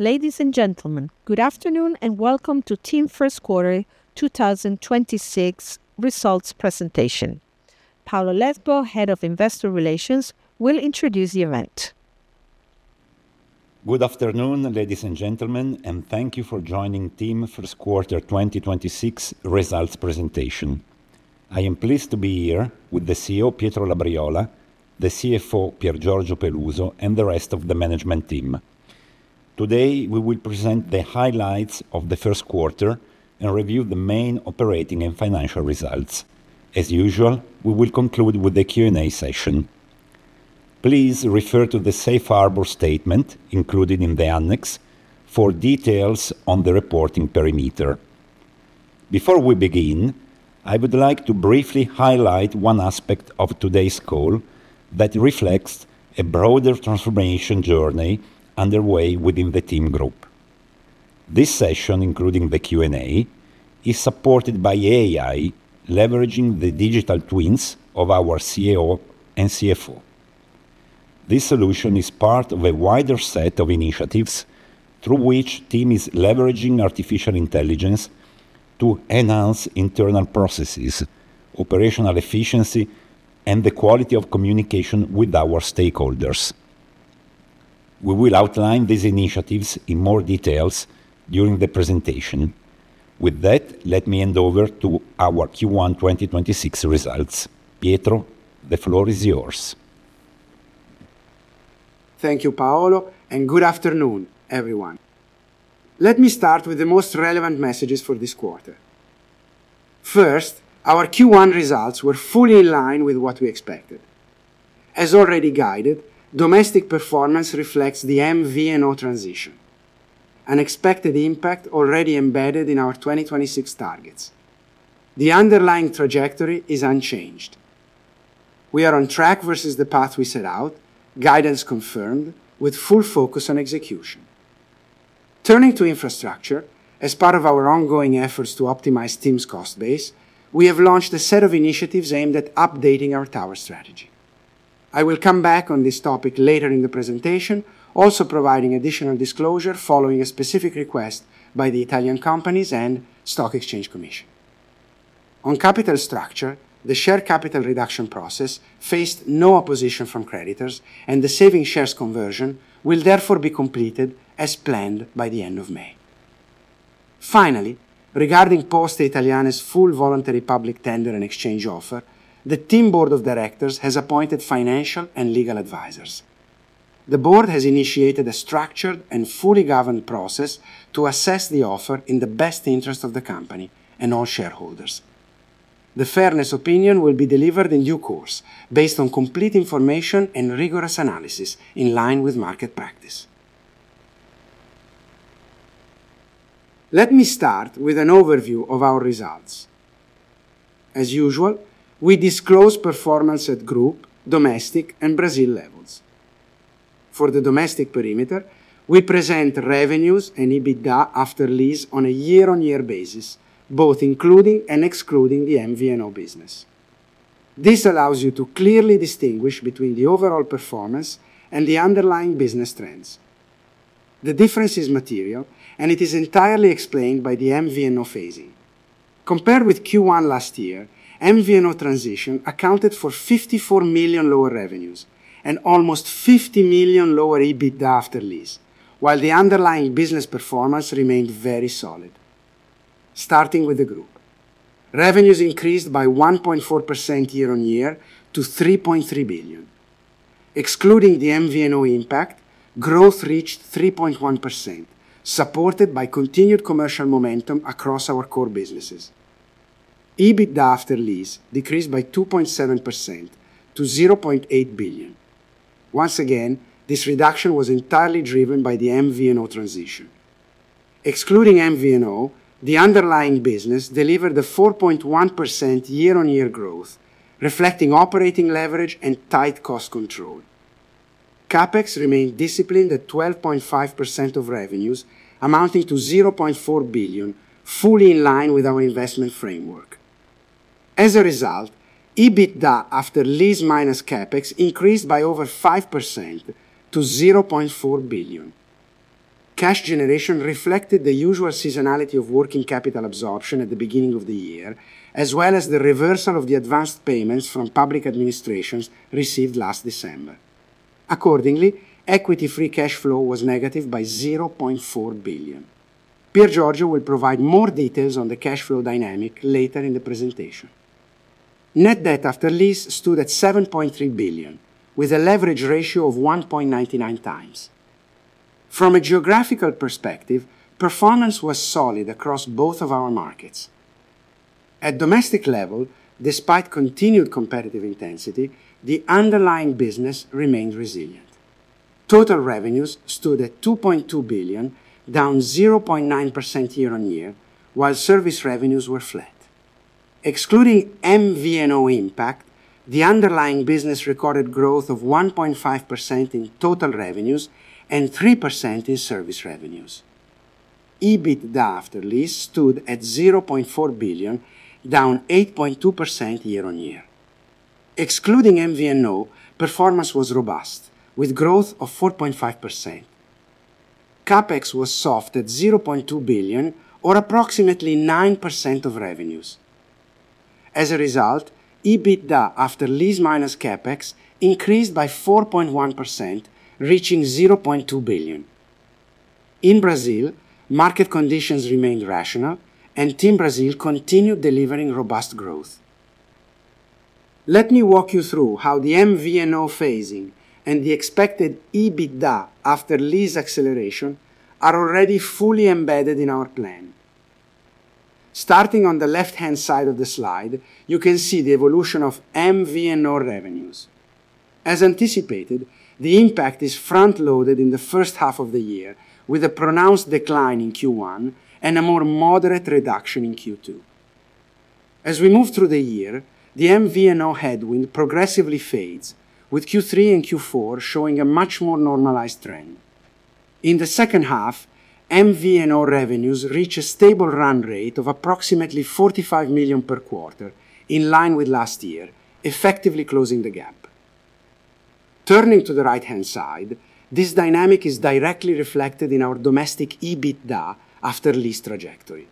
Ladies and gentlemen, good afternoon, and welcome to TIM first quarter 2026 results presentation. Paolo Lesbo, Head of Investor Relations, will introduce the event. Good afternoon, ladies and gentlemen, and thank you for joining TIM first quarter 2026 results presentation. I am pleased to be here with the CEO, Pietro Labriola, the CFO, Piergiorgio Peluso, and the rest of the management team. Today, we will present the highlights of the first quarter and review the main operating and financial results. As usual, we will conclude with a Q and A session. Please refer to the safe harbor statement included in the annex for details on the reporting perimeter. Before we begin, I would like to briefly highlight one aspect of today's call that reflects a broader transformation journey underway within the TIM Group. This session, including the Q and A, is supported by AI leveraging the digital twins of our CEO and CFO. This solution is part of a wider set of initiatives through which TIM is leveraging artificial intelligence to enhance internal processes, operational efficiency, and the quality of communication with our stakeholders. We will outline these initiatives in more details during the presentation. With that, let me hand over to our Q1 2026 results. Pietro, the floor is yours. Thank you, Paolo. Good afternoon, everyone. Let me start with the most relevant messages for this quarter. First, our Q1 results were fully in line with what we expected. As already guided, domestic performance reflects the MVNO transition, an expected impact already embedded in our 2026 targets. The underlying trajectory is unchanged. We are on track versus the path we set out, guidance confirmed with full focus on execution. Turning to infrastructure, as part of our ongoing efforts to optimize TIM's cost base, we have launched a set of initiatives aimed at updating our tower strategy. I will come back on this topic later in the presentation, also providing additional disclosure following a specific request by the Italian Companies and Stock Exchange Commission. On capital structure, the share capital reduction process faced no opposition from creditors, and the saving shares conversion will therefore be completed as planned by the end of May. Finally, regarding Poste Italiane's full voluntary public tender and exchange offer, the TIM board of directors has appointed financial and legal advisors. The board has initiated a structured and fully governed process to assess the offer in the best interest of the company and all shareholders. The fairness opinion will be delivered in due course based on complete information and rigorous analysis in line with market practice. Let me start with an overview of our results. As usual, we disclose performance at group, domestic, and Brazil levels. For the domestic perimeter, we present revenues and EBITDA after lease on a year-on-year basis, both including and excluding the MVNO business. This allows you to clearly distinguish between the overall performance and the underlying business trends. The difference is material, and it is entirely explained by the MVNO phasing. Compared with Q1 last year, MVNO transition accounted for 54 million lower revenues and almost 50 million lower EBITDA after lease, while the underlying business performance remained very solid. Starting with the group. Revenues increased by 1.4% year-on-year to 3.3 billion. Excluding the MVNO impact, growth reached 3.1%, supported by continued commercial momentum across our core businesses. EBITDA after lease decreased by 2.7% to 0.8 billion. Once again, this reduction was entirely driven by the MVNO transition. Excluding MVNO, the underlying business delivered a 4.1% year-on-year growth reflecting operating leverage and tight cost control. CapEx remained disciplined at 12.5% of revenues amounting to 0.4 billion fully in line with our investment framework. As a result, EBITDA after lease minus CapEx increased by over 5% to 0.4 billion. Cash generation reflected the usual seasonality of working capital absorption at the beginning of the year, as well as the reversal of the advanced payments from public administrations received last December. Accordingly, equity free cash flow was negative by 0.4 billion. Piergiorgio will provide more details on the cash flow dynamic later in the presentation. Net debt after lease stood at 7.3 billion, with a leverage ratio of 1.99 times. From a geographical perspective, performance was solid across both of our markets. At domestic level, despite continued competitive intensity, the underlying business remained resilient. Total revenues stood at 2.2 billion, down 0.9% year-on-year, while service revenues were flat. Excluding MVNO impact, the underlying business recorded growth of 1.5% in total revenues and 3% in service revenues. EBITDA after lease stood at 0.4 billion, down 8.2% year-on-year. Excluding MVNO, performance was robust, with growth of 4.5%. CapEx was soft at 0.2 billion, or approximately 9% of revenues. As a result, EBITDA after lease minus CapEx increased by 4.1%, reaching 0.2 billion. In Brazil, market conditions remained rational, and TIM Brazil continued delivering robust growth. Let me walk you through how the MVNO phasing and the expected EBITDA after lease acceleration are already fully embedded in our plan. Starting on the left-hand side of the slide, you can see the evolution of MVNO revenues. As anticipated, the impact is front-loaded in the first half of the year, with a pronounced decline in Q1 and a more moderate reduction in Q2. As we move through the year, the MVNO headwind progressively fades, with Q3 and Q4 showing a much more normalized trend. In the second half, MVNO revenues reach a stable run rate of approximately 45 million per quarter, in line with last year, effectively closing the gap. Turning to the right-hand side, this dynamic is directly reflected in our domestic EBITDA after lease trajectory.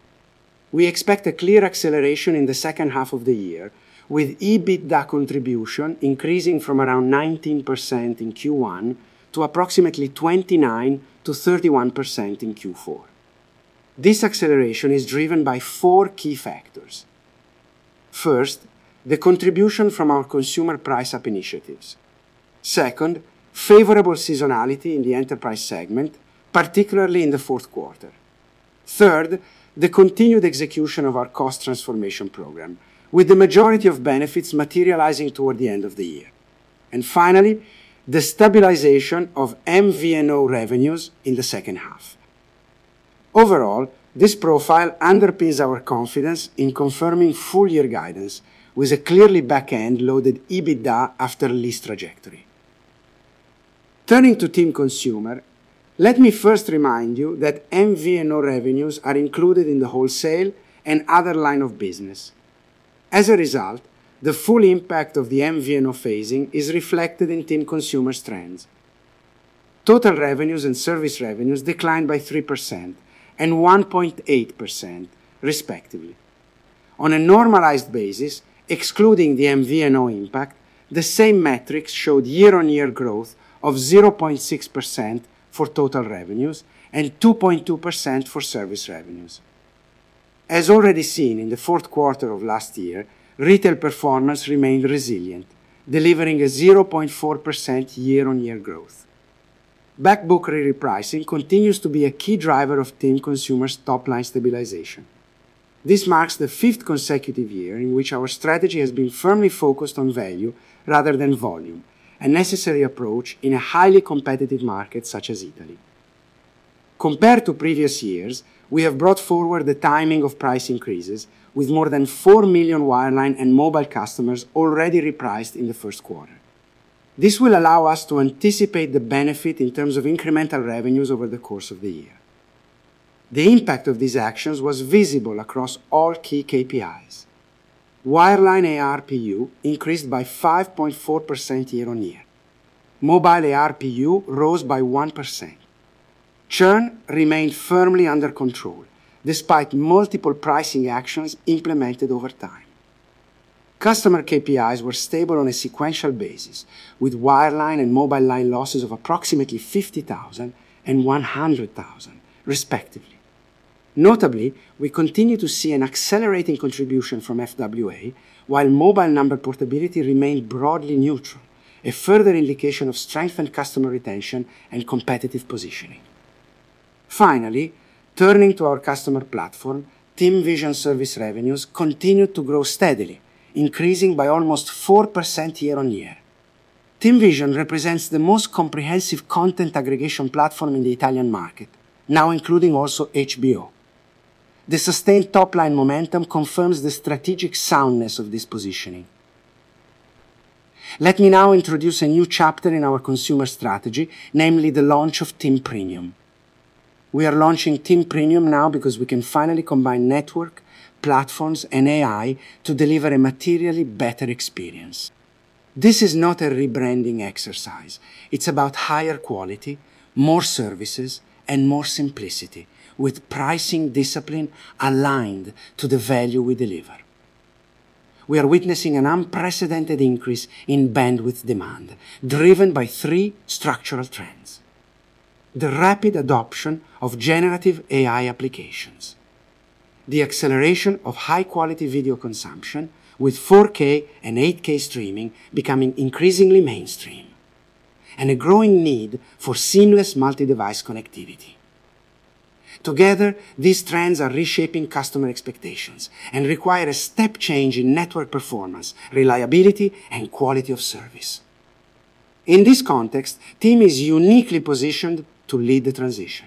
We expect a clear acceleration in the second half of the year, with EBITDA contribution increasing from around 19% in Q1 to approximately 29%-31% in Q4. This acceleration is driven by four key factors. First, the contribution from our consumer price up initiatives. Second, favorable seasonality in the enterprise segment, particularly in the 4th quarter. Third, the continued execution of our cost transformation program, with the majority of benefits materializing toward the end of the year. Finally, the stabilization of MVNO revenues in the 2nd half. Overall, this profile underpins our confidence in confirming full-year guidance with a clearly back-end loaded EBITDA after lease trajectory. Turning to TIM Consumer, let me first remind you that MVNO revenues are included in the wholesale and other line of business. As a result, the full impact of the MVNO phasing is reflected in TIM Consumer's trends. Total revenues and service revenues declined by 3% and 1.8%, respectively. On a normalized basis, excluding the MVNO impact, the same metrics showed year-over-year growth of 0.6% for total revenues and 2.2% for service revenues. As already seen in the fourth quarter of last year, retail performance remained resilient, delivering a 0.4% year-over-year growth. Backbook repricing continues to be a key driver of TIM Consumer's top-line stabilization. This marks the fifth consecutive year in which our strategy has been firmly focused on value rather than volume, a necessary approach in a highly competitive market such as Italy. Compared to previous years, we have brought forward the timing of price increases, with more than four million wireline and mobile customers already repriced in the first quarter. This will allow us to anticipate the benefit in terms of incremental revenues over the course of the year. The impact of these actions was visible across all key KPIs. Wireline ARPU increased by 5.4% year-on-year. Mobile ARPU rose by 1%. Churn remained firmly under control, despite multiple pricing actions implemented over time. Customer KPIs were stable on a sequential basis, with wireline and mobile line losses of approximately 50,000 and 100,000, respectively. Notably, we continue to see an accelerating contribution from FWA, while mobile number portability remained broadly neutral, a further indication of strengthened customer retention and competitive positioning. Finally, turning to our customer platform, TIM Vision service revenues continued to grow steadily, increasing by almost 4% year-on-year. TIM Vision represents the most comprehensive content aggregation platform in the Italian market, now including also HBO. The sustained top-line momentum confirms the strategic soundness of this positioning. Let me now introduce a new chapter in our consumer strategy, namely the launch of TIM Premium. We are launching TIM Premium now because we can finally combine network, platforms, and AI to deliver a materially better experience. This is not a rebranding exercise. It's about higher quality, more services, and more simplicity, with pricing discipline aligned to the value we deliver. We are witnessing an unprecedented increase in bandwidth demand, driven by three structural trends: the rapid adoption of generative AI applications, the acceleration of high-quality video consumption, with 4K and 8K streaming becoming increasingly mainstream, and a growing need for seamless multi-device connectivity. Together, these trends are reshaping customer expectations and require a step change in network performance, reliability, and quality of service. In this context, TIM is uniquely positioned to lead the transition.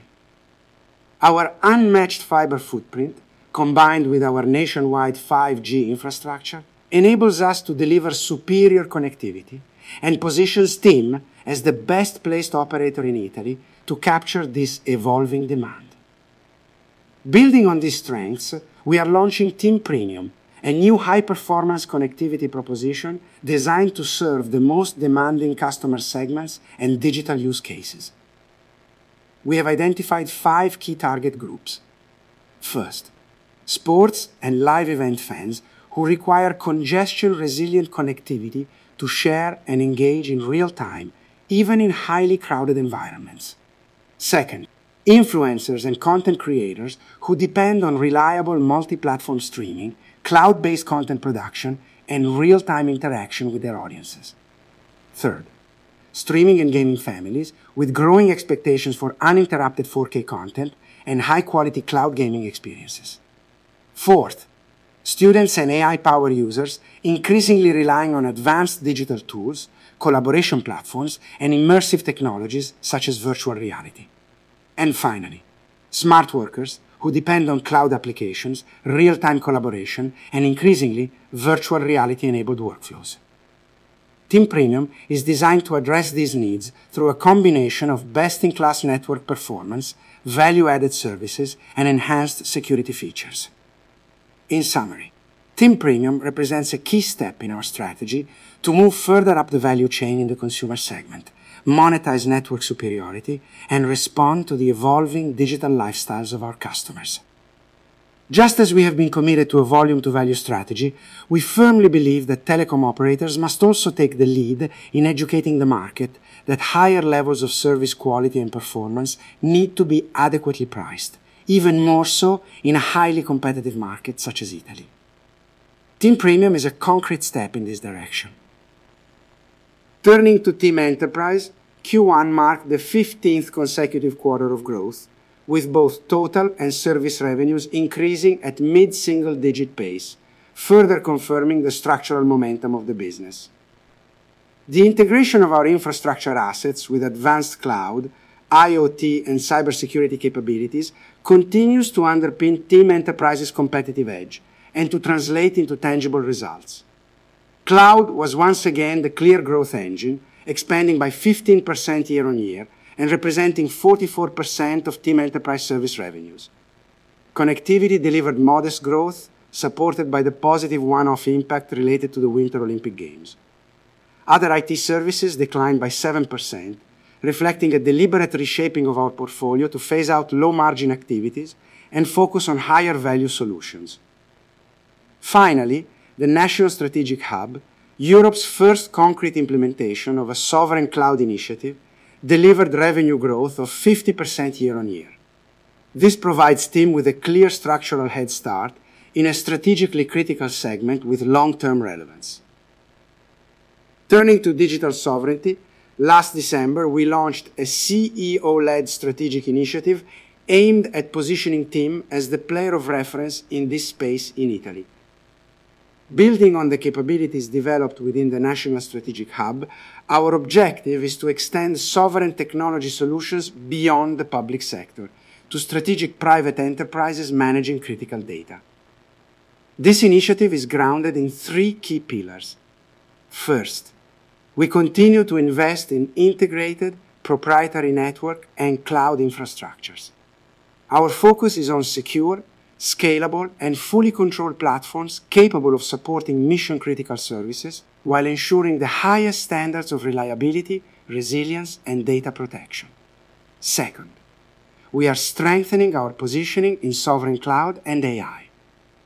Our unmatched fiber footprint, combined with our nationwide 5G infrastructure, enables us to deliver superior connectivity and positions TIM as the best-placed operator in Italy to capture this evolving demand. Building on these strengths, we are launching TIM Premium, a new high-performance connectivity proposition designed to serve the most demanding customer segments and digital use cases. We have identified five key target groups. First, sports and live event fans who require congestion-resilient connectivity to share and engage in real time, even in highly crowded environments. Second, influencers and content creators who depend on reliable multi-platform streaming, cloud-based content production, and real-time interaction with their audiences. Third, streaming and gaming families with growing expectations for uninterrupted 4K content and high-quality cloud gaming experiences. Fourth, students and AI power users increasingly relying on advanced digital tools, collaboration platforms, and immersive technologies such as virtual reality. Finally, smart workers who depend on cloud applications, real-time collaboration, and increasingly virtual reality-enabled workflows. TIM Premium is designed to address these needs through a combination of best-in-class network performance, value-added services, and enhanced security features. In summary, TIM Premium represents a key step in our strategy to move further up the value chain in the consumer segment, monetize network superiority, and respond to the evolving digital lifestyles of our customers. Just as we have been committed to a volume-to-value strategy, we firmly believe that telecom operators must also take the lead in educating the market that higher levels of service quality and performance need to be adequately priced, even more so in a highly competitive market such as Italy. TIM Premium is a concrete step in this direction. Turning to TIM Enterprise, Q1 marked the 15th consecutive quarter of growth, with both total and service revenues increasing at mid-single digit pace, further confirming the structural momentum of the business. The integration of our infrastructure assets with advanced cloud, IoT, and cybersecurity capabilities continues to underpin TIM Enterprise's competitive edge and to translate into tangible results. Cloud was once again the clear growth engine, expanding by 15% year-on-year and representing 44% of TIM Enterprise service revenues. Connectivity delivered modest growth, supported by the positive 1-off impact related to the Winter Olympic Games. Other IT services declined by 7%, reflecting a deliberate reshaping of our portfolio to phase out low-margin activities and focus on higher value solutions. Finally, the National Strategic Hub, Europe's first concrete implementation of a sovereign cloud initiative, delivered revenue growth of 50% year-on-year. This provides TIM with a clear structural head start in a strategically critical segment with long-term relevance. Turning to digital sovereignty, last December, we launched a CEO-led strategic initiative aimed at positioning TIM as the player of reference in this space in Italy. Building on the capabilities developed within the National Strategic Hub, our objective is to extend sovereign technology solutions beyond the public sector to strategic private enterprises managing critical data. This initiative is grounded in three key pillars. First, we continue to invest in integrated proprietary network and cloud infrastructures. Our focus is on secure, scalable, and fully controlled platforms capable of supporting mission-critical services while ensuring the highest standards of reliability, resilience, and data protection. Second, we are strengthening our positioning in sovereign cloud and AI.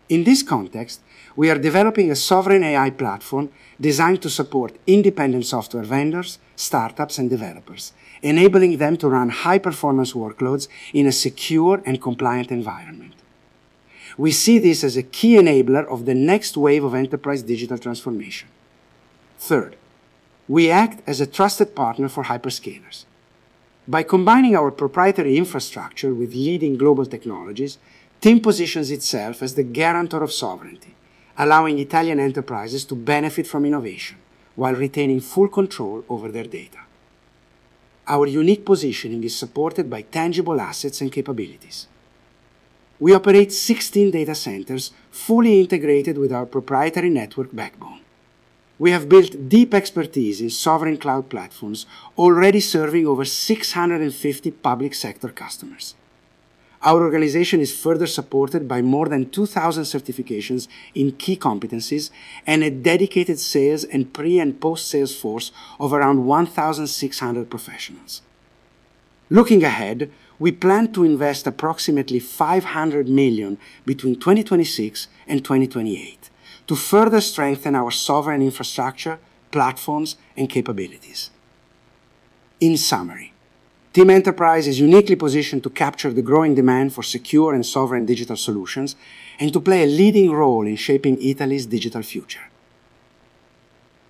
In this context, we are developing a sovereign AI platform designed to support independent software vendors, startups, and developers, enabling them to run high-performance workloads in a secure and compliant environment. We see this as a key enabler of the next wave of enterprise digital transformation. Third, we act as a trusted partner for hyperscalers. By combining our proprietary infrastructure with leading global technologies, TIM positions itself as the guarantor of sovereignty, allowing Italian enterprises to benefit from innovation while retaining full control over their data. Our unique positioning is supported by tangible assets and capabilities. We operate 16 data centers fully integrated with our proprietary network backbone. We have built deep expertise in sovereign cloud platforms already serving over 650 public sector customers. Our organization is further supported by more than 2,000 certifications in key competencies and a dedicated sales and pre- and post-sales force of around 1,600 professionals. Looking ahead, we plan to invest approximately 500 million between 2026 and 2028 to further strengthen our sovereign infrastructure, platforms, and capabilities. In summary, TIM Enterprise is uniquely positioned to capture the growing demand for secure and sovereign digital solutions and to play a leading role in shaping Italy's digital future.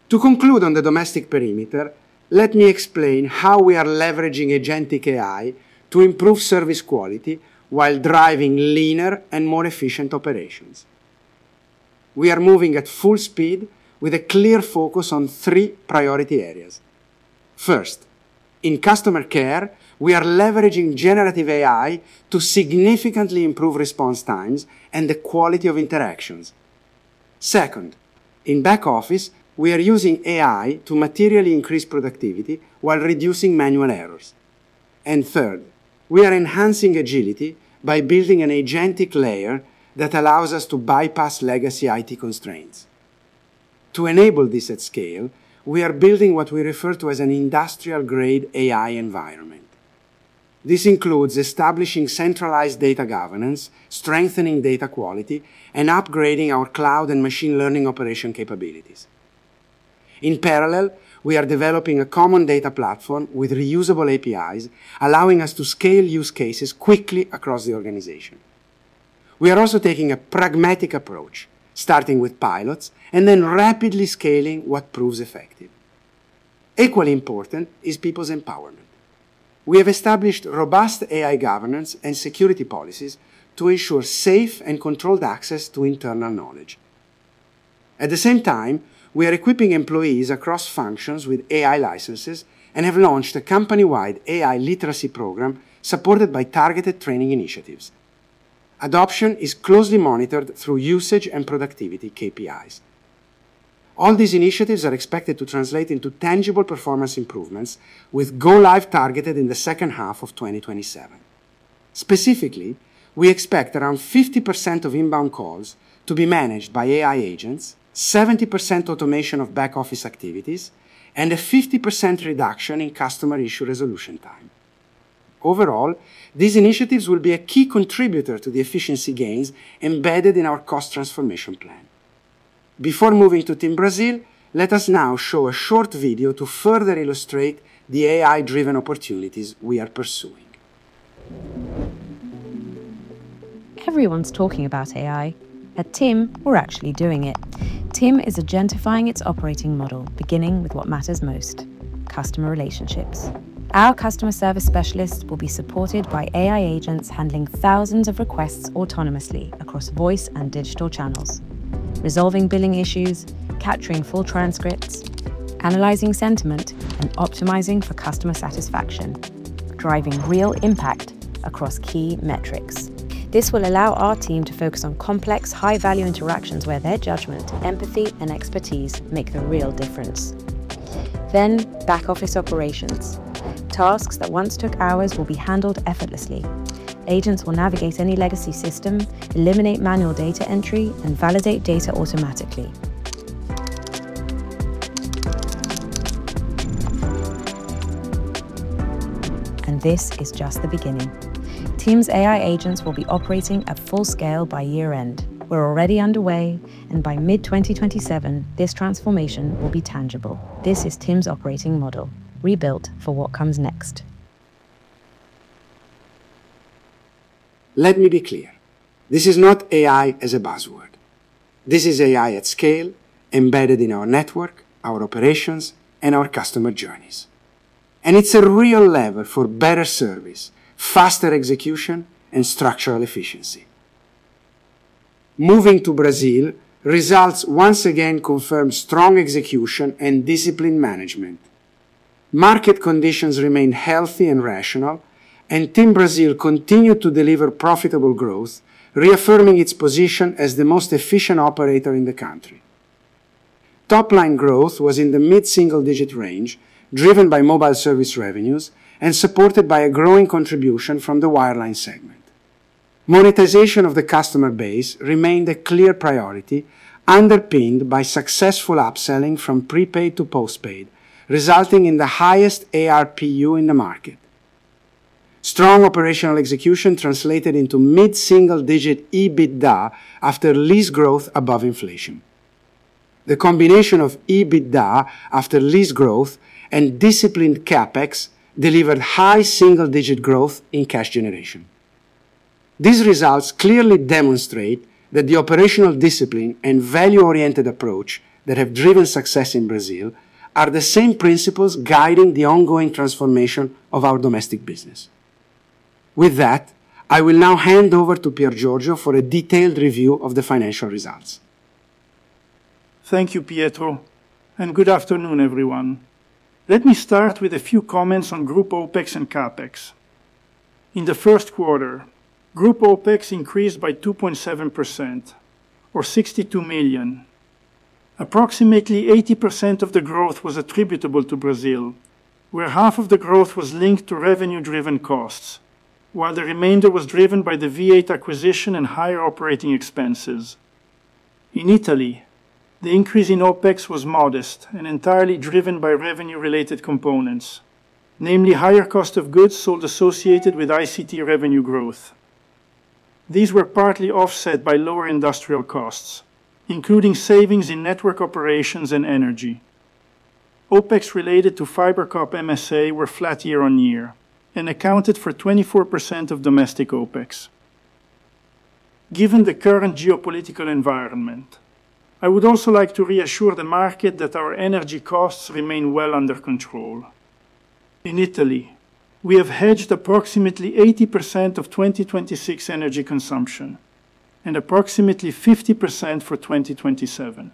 To conclude on the domestic perimeter, let me explain how we are leveraging agentic AI to improve service quality while driving leaner and more efficient operations. We are moving at full speed with a clear focus on three priority areas. First, in customer care, we are leveraging generative AI to significantly improve response times and the quality of interactions. Second, in back office, we are using AI to materially increase productivity while reducing manual errors. Third, we are enhancing agility by building an agentic layer that allows us to bypass legacy IT constraints. To enable this at scale, we are building what we refer to as an industrial-grade AI environment. This includes establishing centralized data governance, strengthening data quality, and upgrading our cloud and machine learning operation capabilities. In parallel, we are developing a common data platform with reusable APIs, allowing us to scale use cases quickly across the organization. We are also taking a pragmatic approach, starting with pilots and then rapidly scaling what proves effective. Equally important is people's empowerment. We have established robust AI governance and security policies to ensure safe and controlled access to internal knowledge. At the same time, we are equipping employees across functions with AI licenses and have launched a company-wide AI Literacy Program supported by targeted training initiatives. Adoption is closely monitored through usage and productivity KPIs. All these initiatives are expected to translate into tangible performance improvements with go live targeted in the second half of 2027. Specifically, we expect around 50% of inbound calls to be managed by AI agents, 70% automation of back-office activities, and a 50% reduction in customer issue resolution time. Overall, these initiatives will be a key contributor to the efficiency gains embedded in our Cost Transformation Plan. Before moving to TIM Brasil, let us now show a short video to further illustrate the AI-driven opportunities we are pursuing. Everyone's talking about AI. At TIM, we're actually doing it. TIM is agentifying its operating model, beginning with what matters most: customer relationships. Our customer service specialists will be supported by AI agents handling thousands of requests autonomously across voice and digital channels, resolving billing issues, capturing full transcripts, analyzing sentiment, and optimizing for customer satisfaction, driving real impact across key metrics. This will allow our team to focus on complex high-value interactions where their judgment, empathy, and expertise make the real difference. Back-office operations. Tasks that once took hours will be handled effortlessly. Agents will navigate any legacy system, eliminate manual data entry, and validate data automatically. This is just the beginning. TIM's AI agents will be operating at full scale by year-end. We're already underway. By mid-2027, this transformation will be tangible. This is TIM's operating model, rebuilt for what comes next. Let me be clear. This is not AI as a buzzword. This is AI at scale embedded in our network, our operations, and our customer journeys. It's a real lever for better service, faster execution, and structural efficiency. Moving to Brazil, results once again confirm strong execution and discipline management. Market conditions remain healthy and rational, and TIM Brasil continued to deliver profitable growth, reaffirming its position as the most efficient operator in the country. Topline growth was in the mid-single digit range, driven by mobile service revenues and supported by a growing contribution from the wireline segment. Monetization of the customer base remained a clear priority, underpinned by successful upselling from prepaid to postpaid, resulting in the highest ARPU in the market. Strong operational execution translated into mid-single digit EBITDA after lease growth above inflation. The combination of EBITDA after lease growth and disciplined CapEx delivered high single-digit growth in cash generation. These results clearly demonstrate that the operational discipline and value-oriented approach that have driven success in Brazil are the same principles guiding the ongoing transformation of our domestic business. With that, I will now hand over to Piergiorgio for a detailed review of the financial results. Thank you, Pietro, and good afternoon, everyone. Let me start with a few comments on group OpEx and CapEx. In the first quarter, group OpEx increased by 2.7% or 62 million. Approximately 80% of the growth was attributable to Brazil, where half of the growth was linked to revenue-driven costs, while the remainder was driven by the V8 acquisition and higher operating expenses. In Italy, the increase in OpEx was modest and entirely driven by revenue-related components, namely higher cost of goods sold associated with ICT revenue growth. These were partly offset by lower industrial costs, including savings in network operations and energy. OpEx related to FiberCop MSA were flat year-over-year and accounted for 24% of domestic OpEx. Given the current geopolitical environment, I would also like to reassure the market that our energy costs remain well under control. In Italy, we have hedged approximately 80% of 2026 energy consumption and approximately 50% for 2027.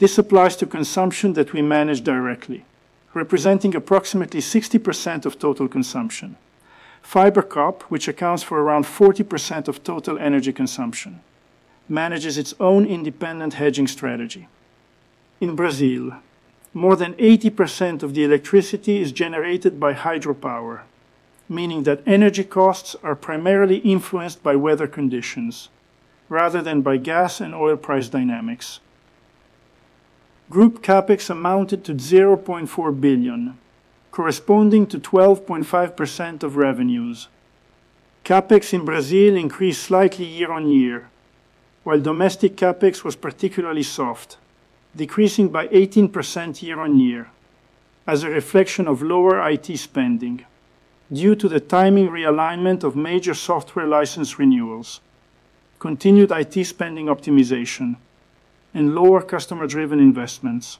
This applies to consumption that we manage directly, representing approximately 60% of total consumption. FiberCop, which accounts for around 40% of total energy consumption, manages its own independent hedging strategy. In Brazil, more than 80% of the electricity is generated by hydropower, meaning that energy costs are primarily influenced by weather conditions rather than by gas and oil price dynamics. Group CapEx amounted to 0.4 billion, corresponding to 12.5% of revenues. CapEx in Brazil increased slightly year-on-year, while domestic CapEx was particularly soft, decreasing by 18% year-on-year as a reflection of lower IT spending due to the timing realignment of major software license renewals, continued IT spending optimization, and lower customer-driven investments.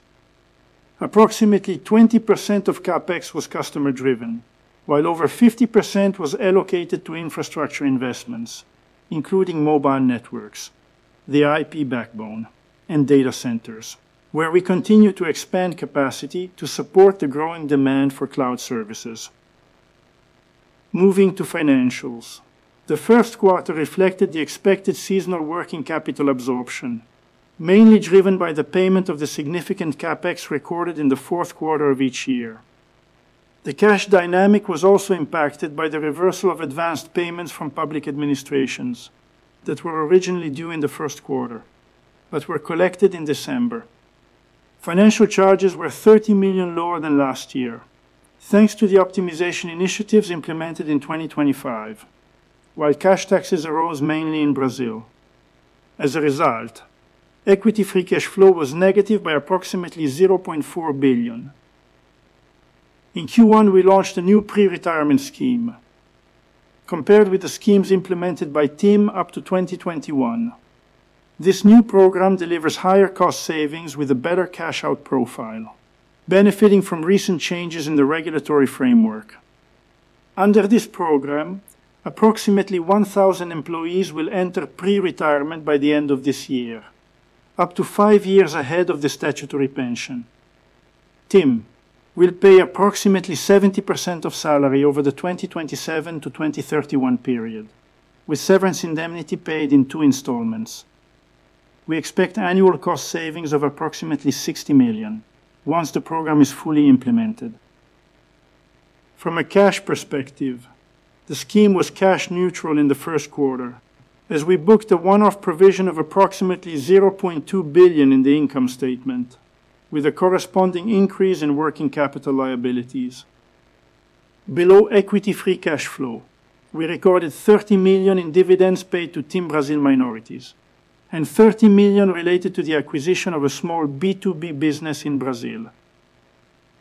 Approximately 20% of CapEx was customer-driven, while over 50% was allocated to infrastructure investments, including mobile networks, the IP backbone, and data centers, where we continue to expand capacity to support the growing demand for cloud services. Moving to financials, the first quarter reflected the expected seasonal working capital absorption, mainly driven by the payment of the significant CapEx recorded in the fourth quarter of each year. The cash dynamic was also impacted by the reversal of advanced payments from public administrations that were originally due in the first quarter but were collected in December. Financial charges were 30 million lower than last year, thanks to the optimization initiatives implemented in 2025, while cash taxes arose mainly in Brazil. As a result, equity free cash flow was negative by approximately 0.4 billion. In Q1, we launched a new pre-retirement scheme. Compared with the schemes implemented by TIM up to 2021, this new program delivers higher cost savings with a better cash-out profile, benefiting from recent changes in the regulatory framework. Under this program, approximately 1,000 employees will enter pre-retirement by the end of this year, up to five years ahead of the statutory pension. TIM will pay approximately 70% of salary over the 2027 to 2031 period, with severance indemnity paid in two installments. We expect annual cost savings of approximately 60 million once the program is fully implemented. From a cash perspective, the scheme was cash neutral in the first quarter as we booked a one-off provision of approximately 0.2 billion in the income statement with a corresponding increase in working capital liabilities. Below equity free cash flow, we recorded 30 million in dividends paid to TIM Brasil minorities and 30 million related to the acquisition of a small B2B business in Brazil.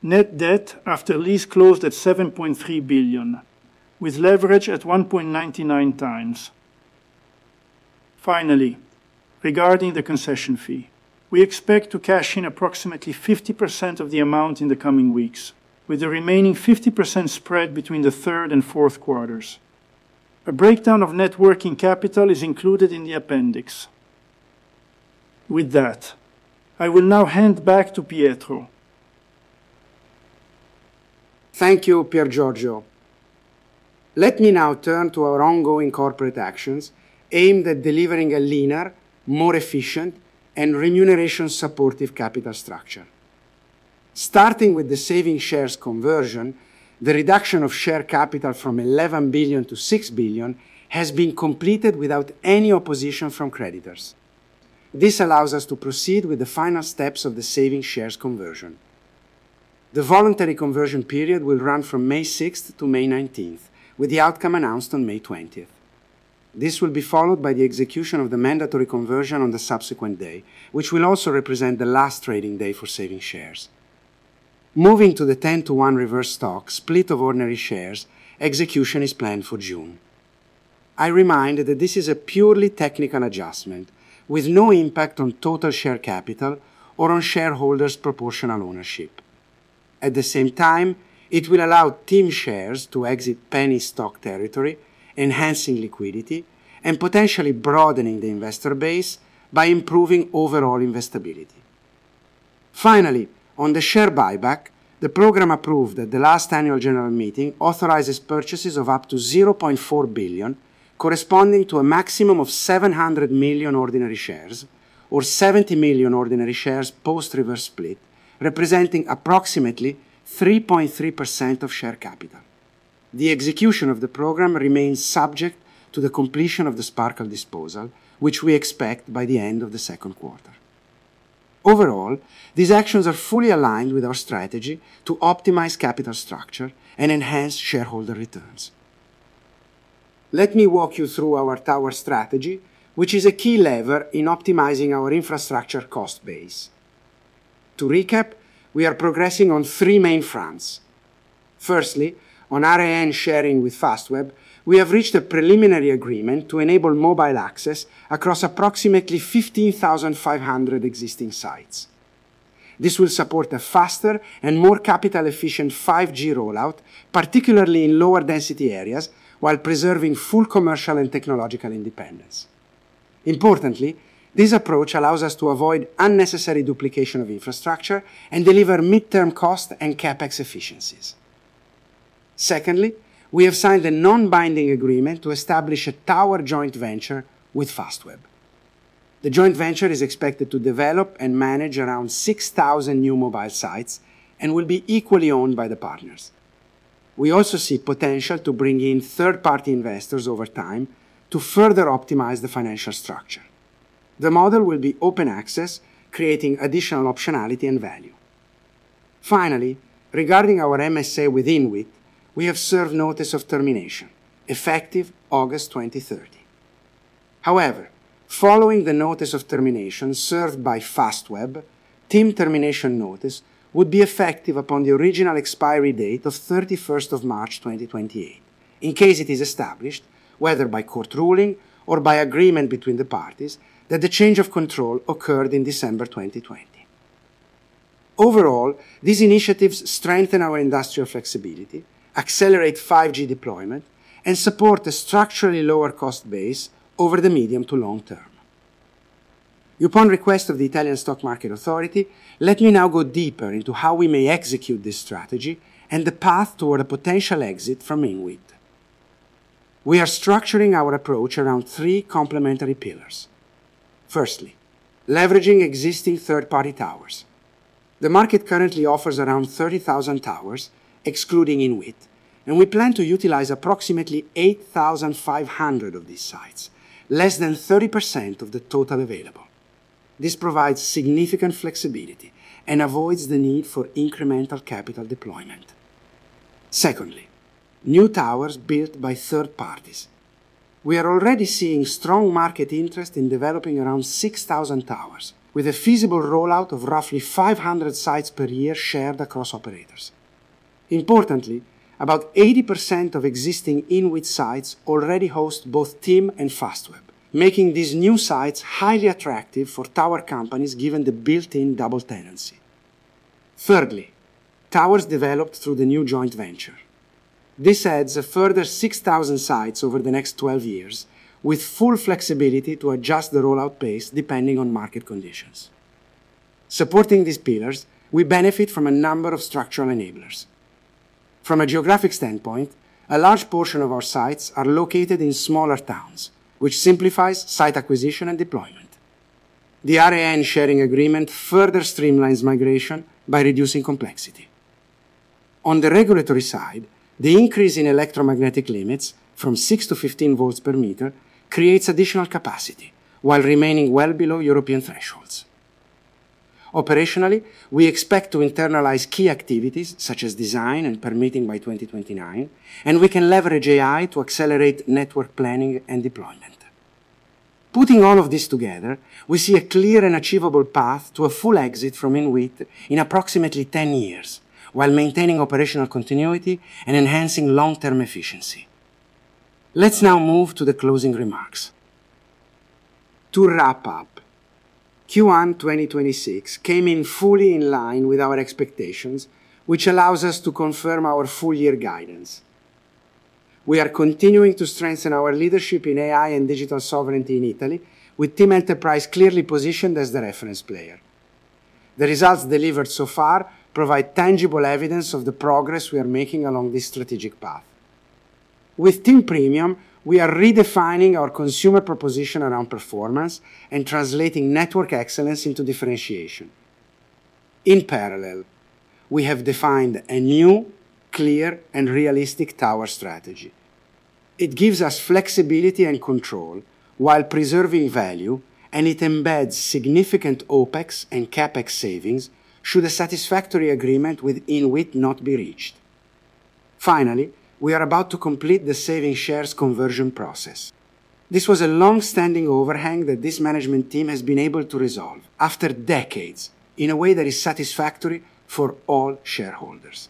Net debt after lease closed at 7.3 billion, with leverage at 1.99 times. Regarding the concession fee, we expect to cash in approximately 50% of the amount in the coming weeks, with the remaining 50% spread between the third and fourth quarters. A breakdown of net working capital is included in the appendix. With that, I will now hand back to Pietro. Thank you, Piergiorgio. Let me now turn to our ongoing corporate actions aimed at delivering a leaner, more efficient, and remuneration-supportive capital structure. Starting with the saving shares conversion, the reduction of share capital from 11 billion to 6 billion has been completed without any opposition from creditors. This allows us to proceed with the final steps of the saving shares conversion. The voluntary conversion period will run from May 6th to May 19th, with the outcome announced on May 20th. This will be followed by the execution of the mandatory conversion on the subsequent day, which will also represent the last trading day for saving shares. Moving to the 10-to-one reverse stock split of ordinary shares, execution is planned for June. I remind that this is a purely technical adjustment with no impact on total share capital or on shareholders' proportional ownership. At the same time, it will allow TIM shares to exit penny stock territory, enhancing liquidity and potentially broadening the investor base by improving overall investability. On the share buyback, the program approved at the last annual general meeting authorizes purchases of up to 0.4 billion, corresponding to a maximum of 700 million ordinary shares or 70 million ordinary shares post reverse split, representing approximately 3.3% of share capital. The execution of the program remains subject to the completion of the Sparkle disposal, which we expect by the end of the second quarter. These actions are fully aligned with our strategy to optimize capital structure and enhance shareholder returns. Let me walk you through our tower strategy, which is a key lever in optimizing our infrastructure cost base. To recap, we are progressing on three main fronts. Firstly, on RAN sharing with Fastweb, we have reached a preliminary agreement to enable mobile access across approximately 15,500 existing sites. This will support a faster and more capital-efficient 5G rollout, particularly in lower density areas, while preserving full commercial and technological independence. Importantly, this approach allows us to avoid unnecessary duplication of infrastructure and deliver midterm cost and CapEx efficiencies. Secondly, we have signed a non-binding agreement to establish a tower joint venture with Fastweb. The joint venture is expected to develop and manage around 6,000 new mobile sites and will be equally owned by the partners. We also see potential to bring in third-party investors over time to further optimize the financial structure. The model will be open access, creating additional optionality and value. Finally, regarding our MSA with Inwit, we have served notice of termination effective August 2030. Following the notice of termination served by Fastweb, TIM termination notice would be effective upon the original expiry date of 31st of March 2028, in case it is established, whether by court ruling or by agreement between the parties, that the change of control occurred in December 2020. Overall, these initiatives strengthen our industrial flexibility, accelerate 5G deployment, and support a structurally lower cost base over the medium to long- term. Upon request of the Italian Stock Market Authority, let me now go deeper into how we may execute this strategy and the path toward a potential exit from Inwit. We are structuring our approach around three complementary pillars. Firstly, leveraging existing third-party towers. The market currently offers around 30,000 towers, excluding Inwit, and we plan to utilize approximately 8,500 of these sites, less than 30% of the total available. This provides significant flexibility and avoids the need for incremental capital deployment. Secondly, new towers built by third parties. We are already seeing strong market interest in developing around 6,000 towers with a feasible rollout of roughly 500 sites per year shared across operators. Importantly, about 80% of existing Inwit sites already host both TIM and Fastweb, making these new sites highly attractive for tower companies given the built-in double tenancy. Thirdly, towers developed through the new joint venture. This adds a further 6,000 sites over the next 12 years with full flexibility to adjust the rollout pace depending on market conditions. Supporting these pillars, we benefit from a number of structural enablers. From a geographic standpoint, a large portion of our sites are located in smaller towns, which simplifies site acquisition and deployment. The RAN sharing agreement further streamlines migration by reducing complexity. On the regulatory side, the increase in electromagnetic limits from six to 15 volts per meter creates additional capacity while remaining well below European thresholds. Operationally, we expect to internalize key activities such as design and permitting by 2029, and we can leverage AI to accelerate network planning and deployment. Putting all of this together, we see a clear and achievable path to a full exit from Inwit in approximately 10 years while maintaining operational continuity and enhancing long-term efficiency. Let's now move to the closing remarks. To wrap up, Q1 2026 came in fully in line with our expectations, which allows us to confirm our full -year guidance. We are continuing to strengthen our leadership in AI and digital sovereignty in Italy with TIM Enterprise clearly positioned as the reference player. The results delivered so far provide tangible evidence of the progress we are making along this strategic path. With TIM Premium, we are redefining our consumer proposition around performance and translating network excellence into differentiation. In parallel, we have defined a new, clear, and realistic tower strategy. It gives us flexibility and control while preserving value, and it embeds significant OpEx and CapEx savings should a satisfactory agreement with Inwit not be reached. Finally, we are about to complete the saving shares conversion process. This was a long-standing overhang that this management team has been able to resolve after decades in a way that is satisfactory for all shareholders.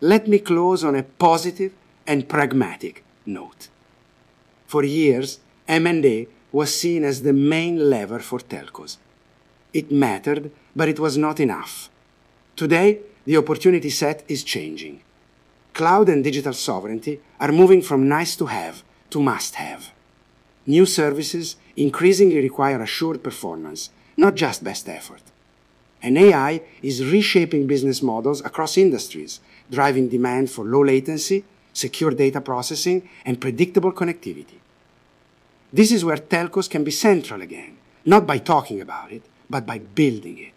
Let me close on a positive and pragmatic note. For years, M&A was seen as the main lever for telcos. It mattered, but it was not enough. Today, the opportunity set is changing. Cloud and digital sovereignty are moving from nice to have to must have. New services increasingly require assured performance, not just best effort. AI is reshaping business models across industries, driving demand for low latency, secure data processing, and predictable connectivity. This is where telcos can be central again, not by talking about it, but by building it.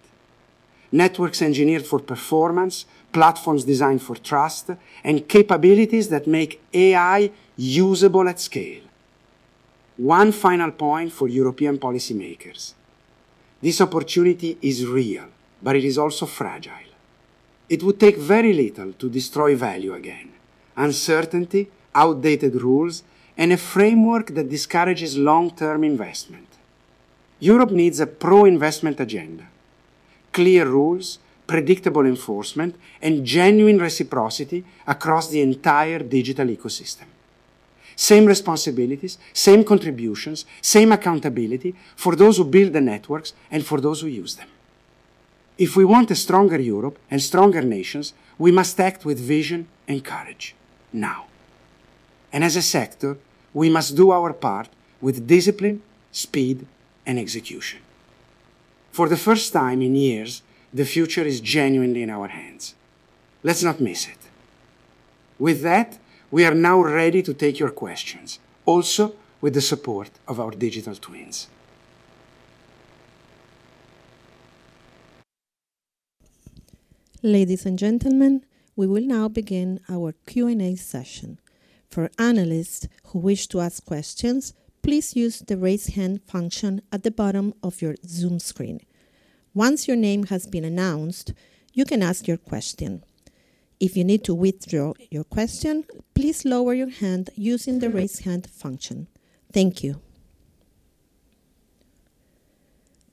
Networks engineered for performance, platforms designed for trust, and capabilities that make AI usable at scale. One final point for European policymakers. This opportunity is real, but it is also fragile. It would take very little to destroy value again, uncertainty, outdated rules, and a framework that discourages long-term investment. Europe needs a pro-investment agenda, clear rules, predictable enforcement, and genuine reciprocity across the entire digital ecosystem. Same responsibilities, same contributions, same accountability for those who build the networks and for those who use them. If we want a stronger Europe and stronger nations, we must act with vision and courage now. As a sector, we must do our part with discipline, speed, and execution. For the first time in years, the future is genuinely in our hands. Let's not miss it. With that, we are now ready to take your questions, also with the support of our digital twins. Ladies and gentlemen, we will now begin our Q and A session. For analysts who wish to ask questions, please use the Raise Hand function at the bottom of your Zoom screen. Once your name has been announced, you can ask your question. If you need to withdraw your question, please lower your hand using the Raise Hand function. Thank you.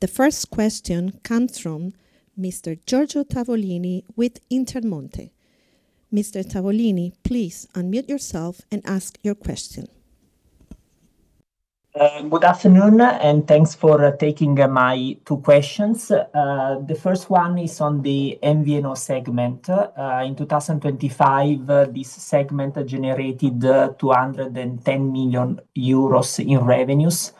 The first question comes from Mr. Giorgio Tavolini with Intermonte. Mr. Tavolini, please unmute yourself and ask your question. Good afternoon, and thanks for taking my two questions. The first one is on the MVNO segment. In 2025, this segment generated 210 million euros in revenues.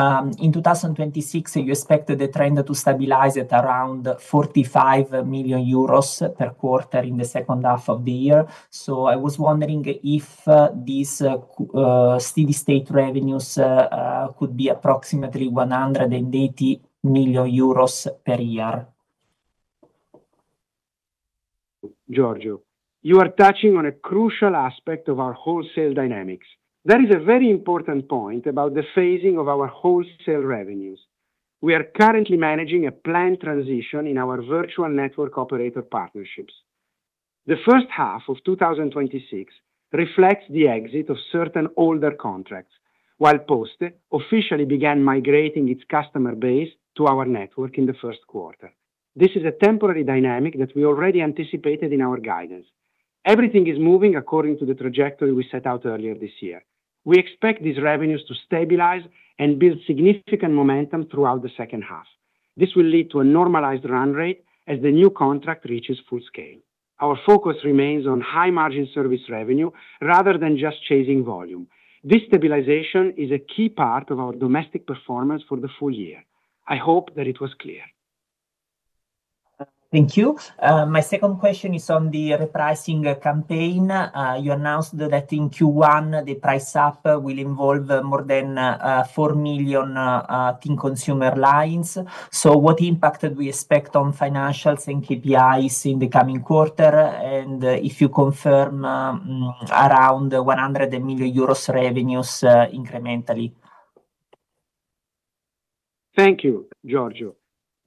In 2026, you expected the trend to stabilize at around 45 million euros per quarter in the second half of the year. I was wondering if these steady state revenues could be approximately 180 million euros per year. Giorgio, you are touching on a crucial aspect of our wholesale dynamics. That is a very important point about the phasing of our wholesale revenues. We are currently managing a planned transition in our virtual network operator partnerships. The first half of 2026 reflects the exit of certain older contracts, while Poste officially began migrating its customer base to our network in the first quarter. This is a temporary dynamic that we already anticipated in our guidance. Everything is moving according to the trajectory we set out earlier this year. We expect these revenues to stabilize and build significant momentum throughout the second half. This will lead to a normalized run rate as the new contract reaches full scale. Our focus remains on high margin service revenue rather than just chasing volume. This stabilization is a key part of our domestic performance for the full- year. I hope that it was clear. Thank you. My second question is on the repricing campaign. You announced that in Q1 the price up will involve more than four million consumer lines. What impact do we expect on financials and KPIs in the coming quarter? If you confirm around 100 million euros revenues incrementally? Thank you, Giorgio.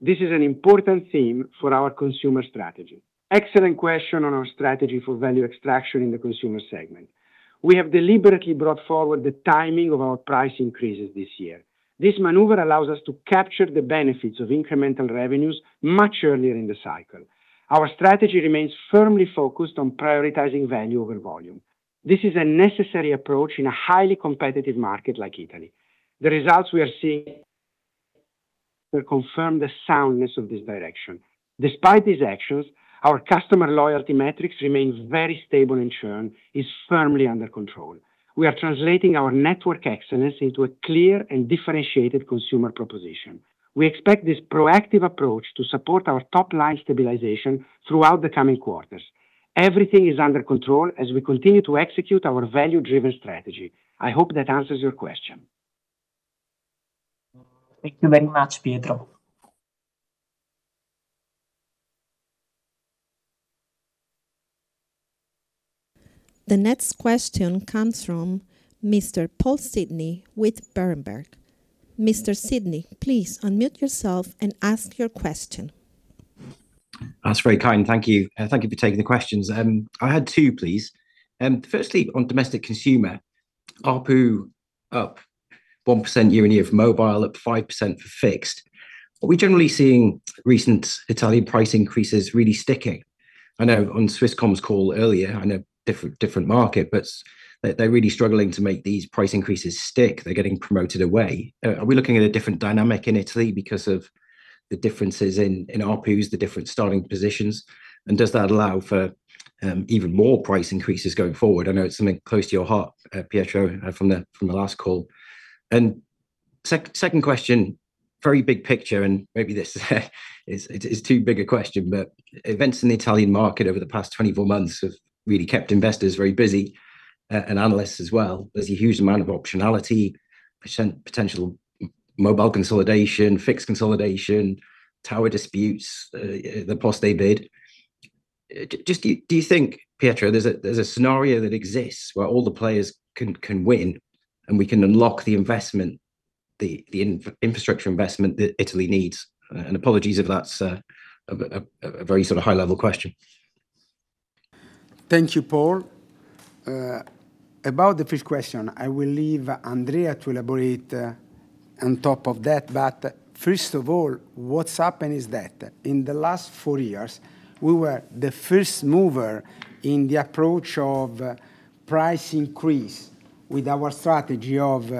This is an important theme for our consumer strategy. Excellent question on our strategy for value extraction in the consumer segment. We have deliberately brought forward the timing of our price increases this year. This maneuver allows us to capture the benefits of incremental revenues much earlier in the cycle. Our strategy remains firmly focused on prioritizing value over volume. This is a necessary approach in a highly competitive market like Italy. The results we are seeing confirm the soundness of this direction. Despite these actions, our customer loyalty metrics remains very stable, and churn is firmly under control. We are translating our network excellence into a clear and differentiated consumer proposition. We expect this proactive approach to support our top-line stabilization throughout the coming quarters. Everything is under control as we continue to execute our value-driven strategy. I hope that answers your question. Thank you very much, Pietro. The next question comes from Mr. Paul Sidney with Berenberg. Mr. Sidney, please unmute yourself and ask your question. That's very kind. Thank you. Thank you for taking the questions. I had two, please. Firstly, on domestic consumer, ARPU up 1% year-on-year for mobile, up 5% for fixed. Are we generally seeing recent Italian price increases really sticking? I know on Swisscom's call earlier, I know different market, but they're really struggling to make these price increases stick. They're getting promoted away. Are we looking at a different dynamic in Italy because of the differences in ARPUs, the different starting positions, and does that allow for even more price increases going forward? I know it's something close to your heart, Pietro, from the last call. Second question, very big picture, maybe this is too big a question, events in the Italian market over the past 24 months have really kept investors very busy and analysts as well. There's a huge amount of optionality, potential mobile consolidation, fixed consolidation, tower disputes, the Poste bid. Just do you think, Pietro, there's a scenario that exists where all the players can win and we can unlock the investment, the infrastructure investment that Italy needs? Apologies if that's a very sort of high level question. Thank you, Paul. About the first question, I will leave Andrea to elaborate. On top of that, first of all, what's happened is that in the last four years we were the first mover in the approach of price increase with our strategy of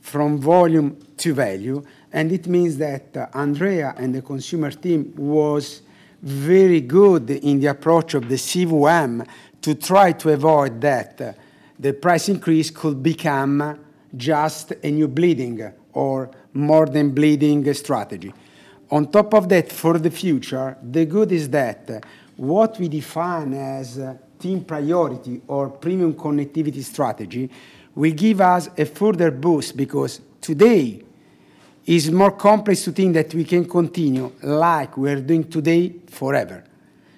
from volume to value. It means that Andrea and the consumer team was very good in the approach of the CVM to try to avoid that the price increase could become just a new bleeding or more than bleeding strategy. On top of that, for the future, the good is that what we define as TIM Premium or premium connectivity strategy will give us a further boost because today is more complex to think that we can continue like we're doing today forever.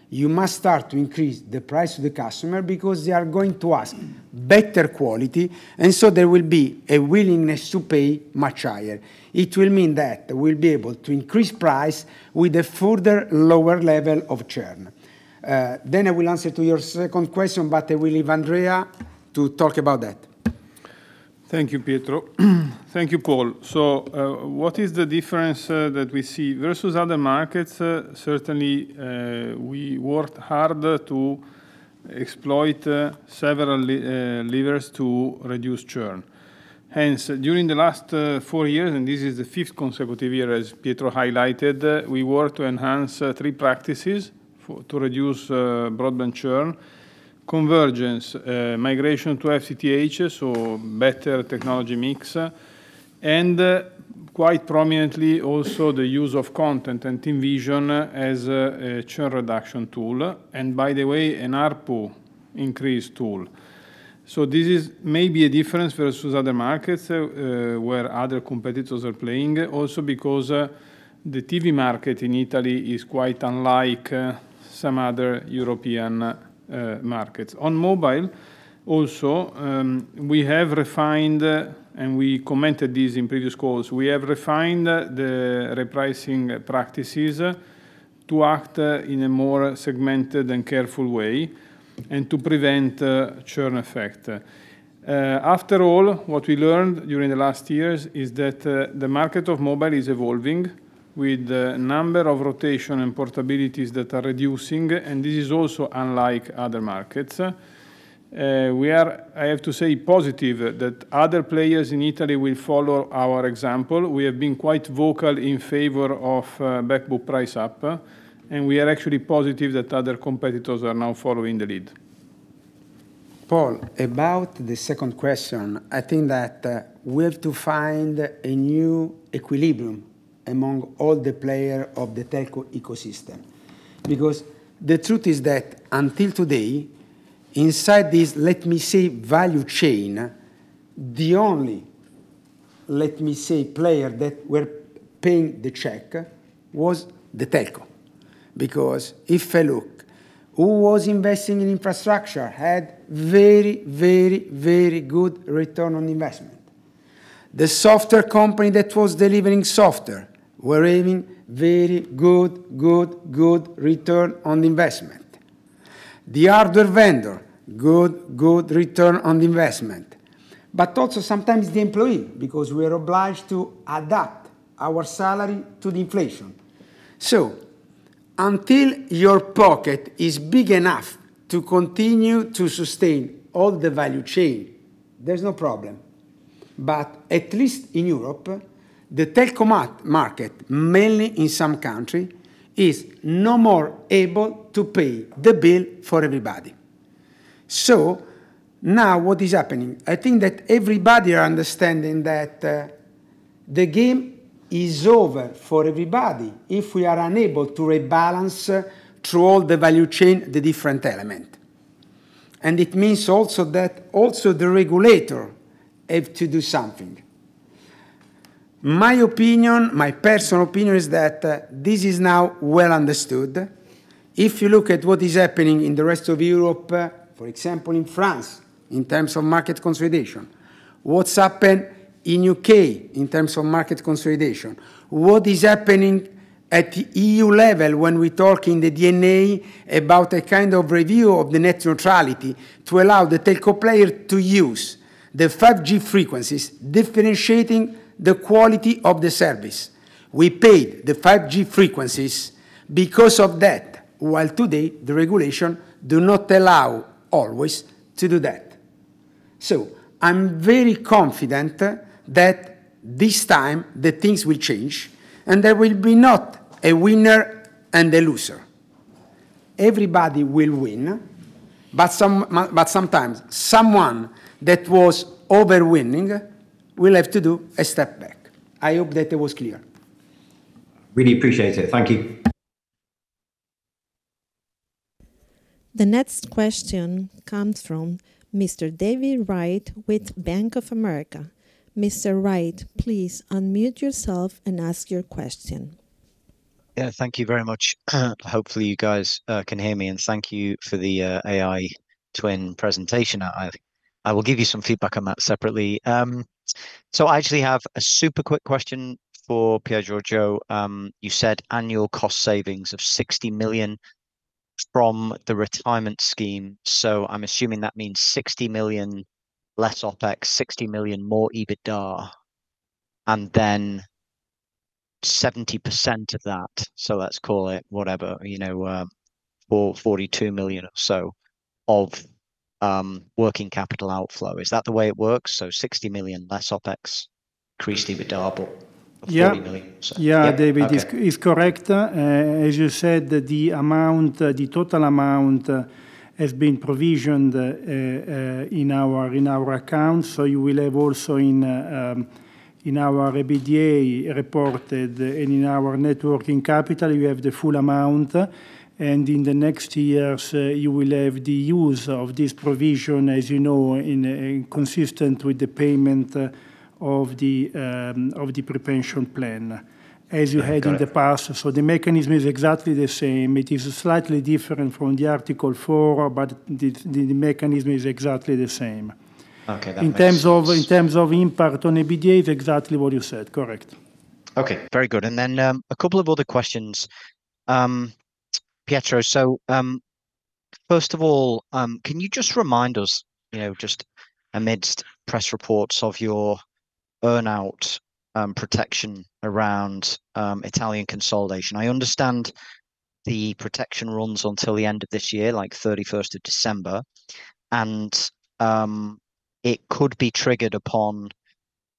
You must start to increase the price to the customer because they are going to ask better quality, and so there will be a willingness to pay much higher. It will mean that we'll be able to increase price with a further lower level of churn. I will answer to your second question, but I will leave Andrea to talk about that. Thank you, Pietro. Thank you, Paul. What is the difference that we see versus other markets? Certainly, we worked hard to exploit several levers to reduce churn. Hence, during the last four years, and this is the 5th consecutive year as Pietro highlighted, we work to enhance three practices for, to reduce broadband churn, convergence, migration to FTTH, so better technology mix. Quite prominently also the use of content and TIMvision as a churn reduction tool and by the way, an ARPU increase tool. This is maybe a difference versus other markets, where other competitors are playing also because the TV market in Italy is quite unlike some other European markets. On mobile also, we have refined and we commented this in previous calls, we have refined the repricing practices to act in a more segmented and careful way and to prevent churn effect. After all, what we learned during the last years is that the market of mobile is evolving with the number of rotation and portabilities that are reducing, and this is also unlike other markets. We are, I have to say, positive that other players in Italy will follow our example. We have been quite vocal in favor of back book price up, and we are actually positive that other competitors are now following the lead. Paul, about the second question, I think that we have to find a new equilibrium among all the player of the telco ecosystem. The truth is that until today, inside this value chain, the only player that were paying the check was the telco. If I look who was investing in infrastructure had very good return on investment. The software company that was delivering software were having very good return on investment. The hardware vendor, good return on investment. Also sometimes the employee because we're obliged to adapt our salary to the inflation. Until your pocket is big enough to continue to sustain all the value chain, there's no problem. At least in Europe, the telco market, mainly in some country, is no more able to pay the bill for everybody. Now what is happening? I think that everybody are understanding that the game is over for everybody if we are unable to rebalance through all the value chain, the different element. It means also that also the regulator have to do something. My opinion, my personal opinion is that this is now well understood. If you look at what is happening in the rest of Europe, for example, in France in terms of market consolidation, what's happened in the U.K. in terms of market consolidation, what is happening at EU level when we talk in the DNA about a kind of review of the net neutrality to allow the telco player to use the 5G frequencies differentiating the quality of the service. We paid the 5G frequencies because of that, while today the regulation do not allow always to do that. I'm very confident that this time the things will change and there will be not a winner and a loser. Everybody will win, but sometimes someone that was over winning will have to do a step back. I hope that it was clear. Really appreciate it. Thank you. The next question comes from Mr. David Wright with Bank of America. Mr. Wright, please unmute yourself and ask your question. Yeah, thank you very much. Hopefully, you guys can hear me, and thank you for the AI Twin presentation. I will give you some feedback on that separately. I actually have a super quick question for Piergiorgio. You said annual cost savings of 60 million from the retirement scheme. I'm assuming that means 60 million less OpEx, 60 million more EBITDA, and then 70% of that, let's call it whatever, 42 million or so of working capital outflow. Is that the way it works? 60 million less OpEx, increased EBITDA but 40 million or so. Yeah, David, it's correct. As you said, the total amount has been provisioned in our accounts. You will have also in our EBITDA reported and in our networking capital, you have the full amount. In the next years, you will have the use of this provision, as you know, consistent with the payment of the pre-pension plan as you had in the past. The mechanism is exactly the same. It is slightly different from the Article 4, but the mechanism is exactly the same. Okay, that makes sense. In terms of impact on EBITDA, it's exactly what you said. Correct. Okay, very good. A couple of other questions. Pietro, first of all, can you just remind us, you know, just amidst press reports of your earn-out protection around Italian consolidation. I understand the protection runs until the end of this year, like 31st of December, and it could be triggered upon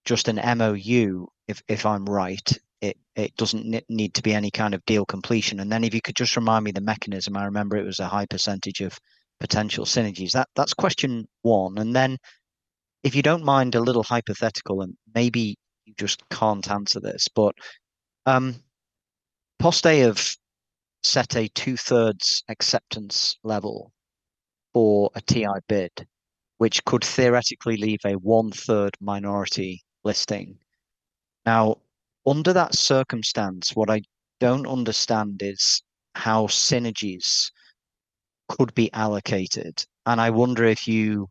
just an MOU, if I'm right. It doesn't need to be any kind of deal completion. If you could just remind me the mechanism. I remember it was a high percentage of potential synergies. That's question one. If you don't mind a little hypothetical, and maybe you just can't answer this, Poste have set a 2/3 acceptance level for a TI bid, which could theoretically leave a 1/3 minority listing. Under that circumstance, what I don't understand is how synergies could be allocated, and I wonder if you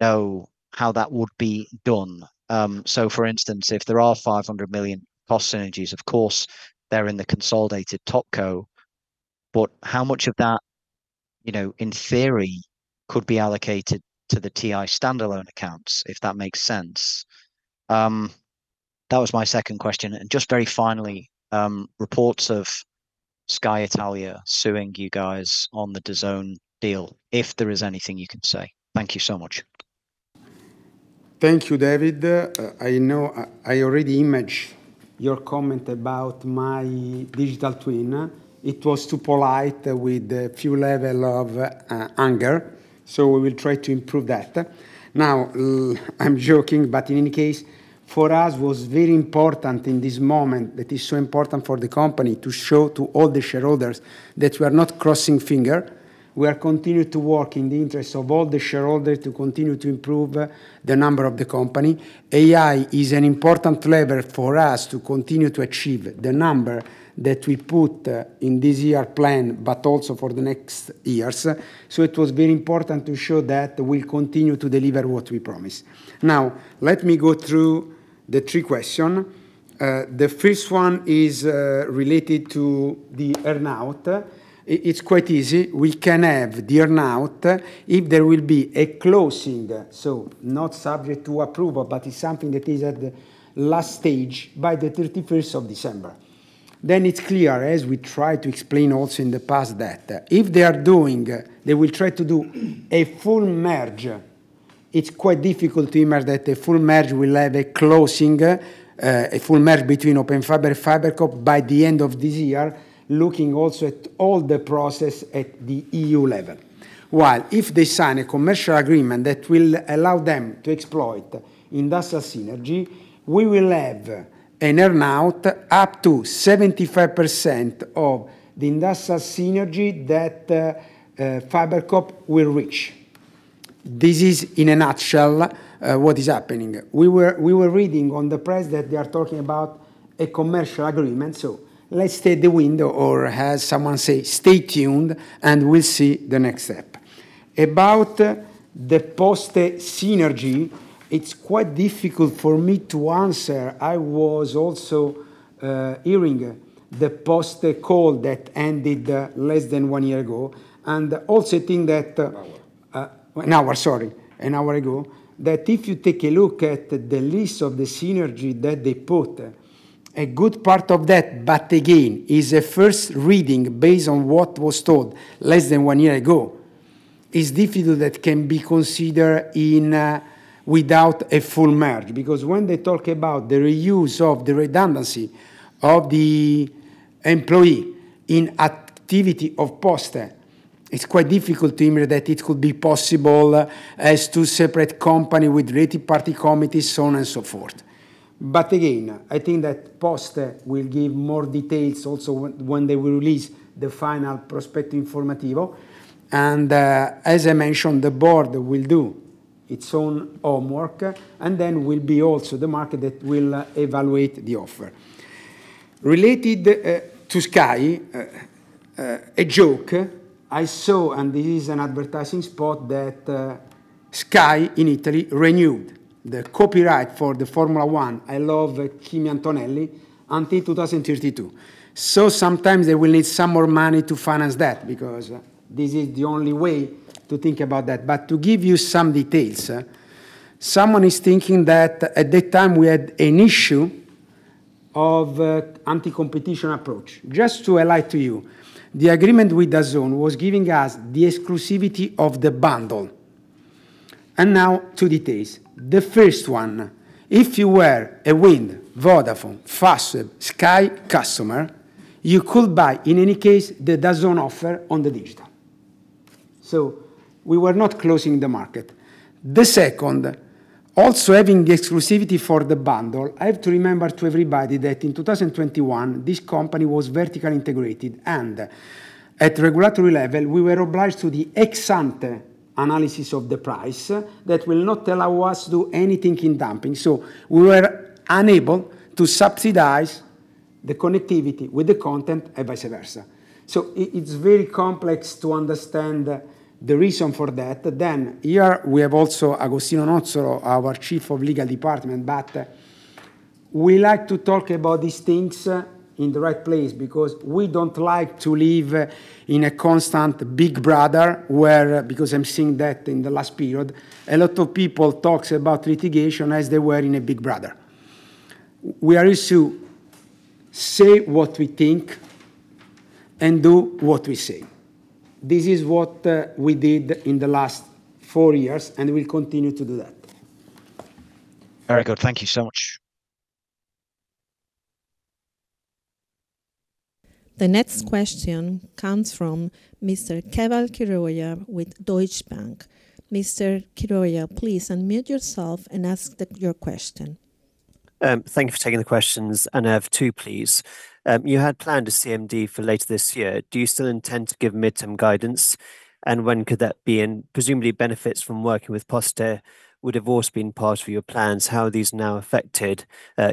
know how that would be done. For instance, if there are 500 million cost synergies, of course, they're in the consolidated top co. How much of that, you know, in theory, could be allocated to the TI standalone accounts, if that makes sense? That was my second question. Just very finally, reports of Sky Italia suing you guys on the DAZN deal, if there is anything you can say. Thank you so much. Thank you, David. I know I already image your comment about my digital twin. It was too polite with a few level of anger, we will try to improve that. I'm joking, in any case, for us was very important in this moment that is so important for the company to show to all the shareholders that we are not crossing finger. We are continue to work in the interest of all the shareholder to continue to improve the number of the company. AI is an important lever for us to continue to achieve the number that we put in this year plan, also for the next years. It was very important to show that we'll continue to deliver what we promise. Let me go through the three question. The first one is related to the earn-out. It's quite easy. We can have the earn-out if there will be a closing, so not subject to approval, but it's something that is at the last stage by the 31st of December. It's clear, as we try to explain also in the past that if they will try to do a full merge. It's quite difficult to imagine that a full merge will have a closing, a full merge between Open Fiber and FiberCop by the end of this year, looking also at all the process at the EU level. While if they sign a commercial agreement that will allow them to exploit industrial synergy, we will have an earn-out up to 75% of the industrial synergy that FiberCop will reach. This is in a nutshell, what is happening. We were reading on the press that they are talking about a commercial agreement. Let's stay at the window or as someone say, "Stay tuned," we'll see the next step. About the Poste synergy, it's quite difficult for me to answer. I was also hearing the Poste call that ended less than one year ago. An hour, sorry, an hour ago. If you take a look at the list of the synergy that they put, a good part of that, but again, is a first reading based on what was told less than one year ago, is difficult that can be considered without a full merge. When they talk about the reuse of the redundancy of the employee in activity of Poste, it's quite difficult to imagine that it could be possible as two separate company with related party committees, so on and so forth. Again, I think that Poste will give more details also when they will release the final prospetto informativo. As I mentioned, the board will do its own homework, and then will be also the market that will evaluate the offer. Related to Sky, a joke I saw, this is an advertising spot that Sky in Italy renewed the copyright for the Formula 1, I love Kimi Antonelli, until 2032. Sometimes they will need some more money to finance that because this is the only way to think about that. To give you some details, someone is thinking that at that time we had an issue of anti-competition approach. Just to highlight to you, the agreement with DAZN was giving us the exclusivity of the bundle. Now to details. The first one, if you were a Wind, Vodafone, Fastweb, Sky customer, you could buy in any case the DAZN offer on the digital. We were not closing the market. The second, also having exclusivity for the bundle, I have to remember to everybody that in 2021 this company was vertically integrated, and at regulatory level we were obliged to the ex-ante analysis of the price that will not allow us to do anything in dumping. We were unable to subsidize the connectivity with the content and vice versa. It's very complex to understand the reason for that. Here we have also Agostino Nuzzolo, our Chief of Legal Department, but we like to talk about these things in the right place because we don't like to live in a constant Big Brother where, because I'm seeing that in the last period, a lot of people talks about litigation as they were in a Big Brother. We are used to say what we think and do what we say. This is what we did in the last four years, and we'll continue to do that. Very good. Thank you so much. The next question comes from Mr. Keval Khiroya with Deutsche Bank. Mr. Khiroya, please unmute yourself and ask your question. Thank you for taking the questions, I have two please. You had planned a CMD for later this year. Do you still intend to give midterm guidance, and when could that be? Presumably benefits from working with Poste would have also been part of your plans. How are these now affected,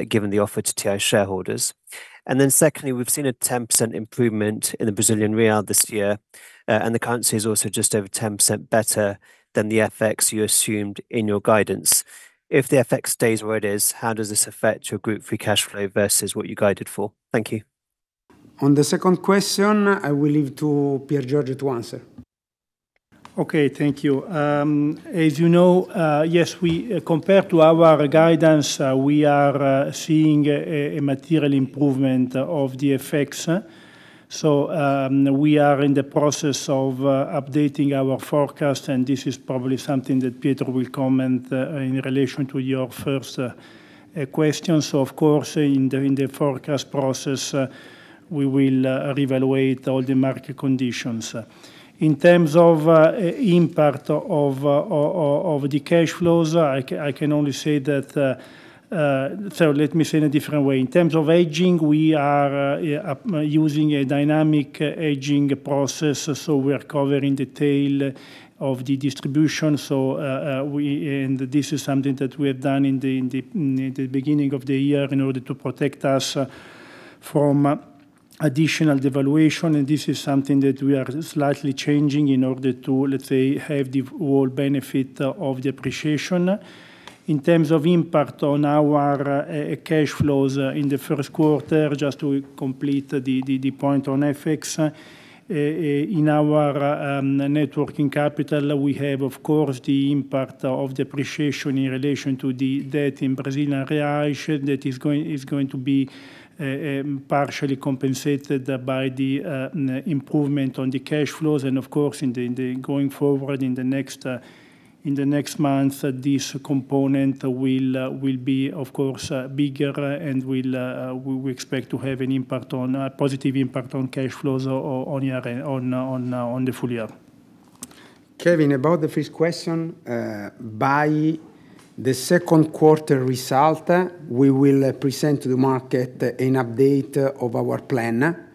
given the offer to TI shareholders? Secondly, we've seen a 10% improvement in the Brazilian real this year, and the currency is also just over 10% better than the FX you assumed in your guidance. If the FX stays where it is, how does this affect your group free cash flow versus what you guided for? Thank you. On the second question, I will leave to Piergiorgio to answer. Okay. Thank you. As you know, yes, we, compared to our guidance, we are seeing a material improvement of the FX. We are in the process of updating our forecast, and this is probably something that Pietro will comment in relation to your first question. Of course in the forecast process, we will reevaluate all the market conditions. In terms of impact of the cash flows, I can only say that let me say in a different way. In terms of hedging, we are using a dynamic hedging process, so we are covering the tail of the distribution. We, and this is something that we have done in the beginning of the year in order to protect us from additional devaluation, and this is something that we are slightly changing in order to, let's say, have the whole benefit of the appreciation. In terms of impact on our cash flows in the first quarter, just to complete the point on FX in our networking capital, we have of course the impact of depreciation in relation to the debt in Brazilian real that is going to be partially compensated by the improvement on the cash flows and of course going forward in the next months, this component will be, of course, bigger and we expect to have an impact on a positive impact on cash flows on year and on the full- year. Keval, about the first question, by the second quarter result, we will present to the market an update of our plan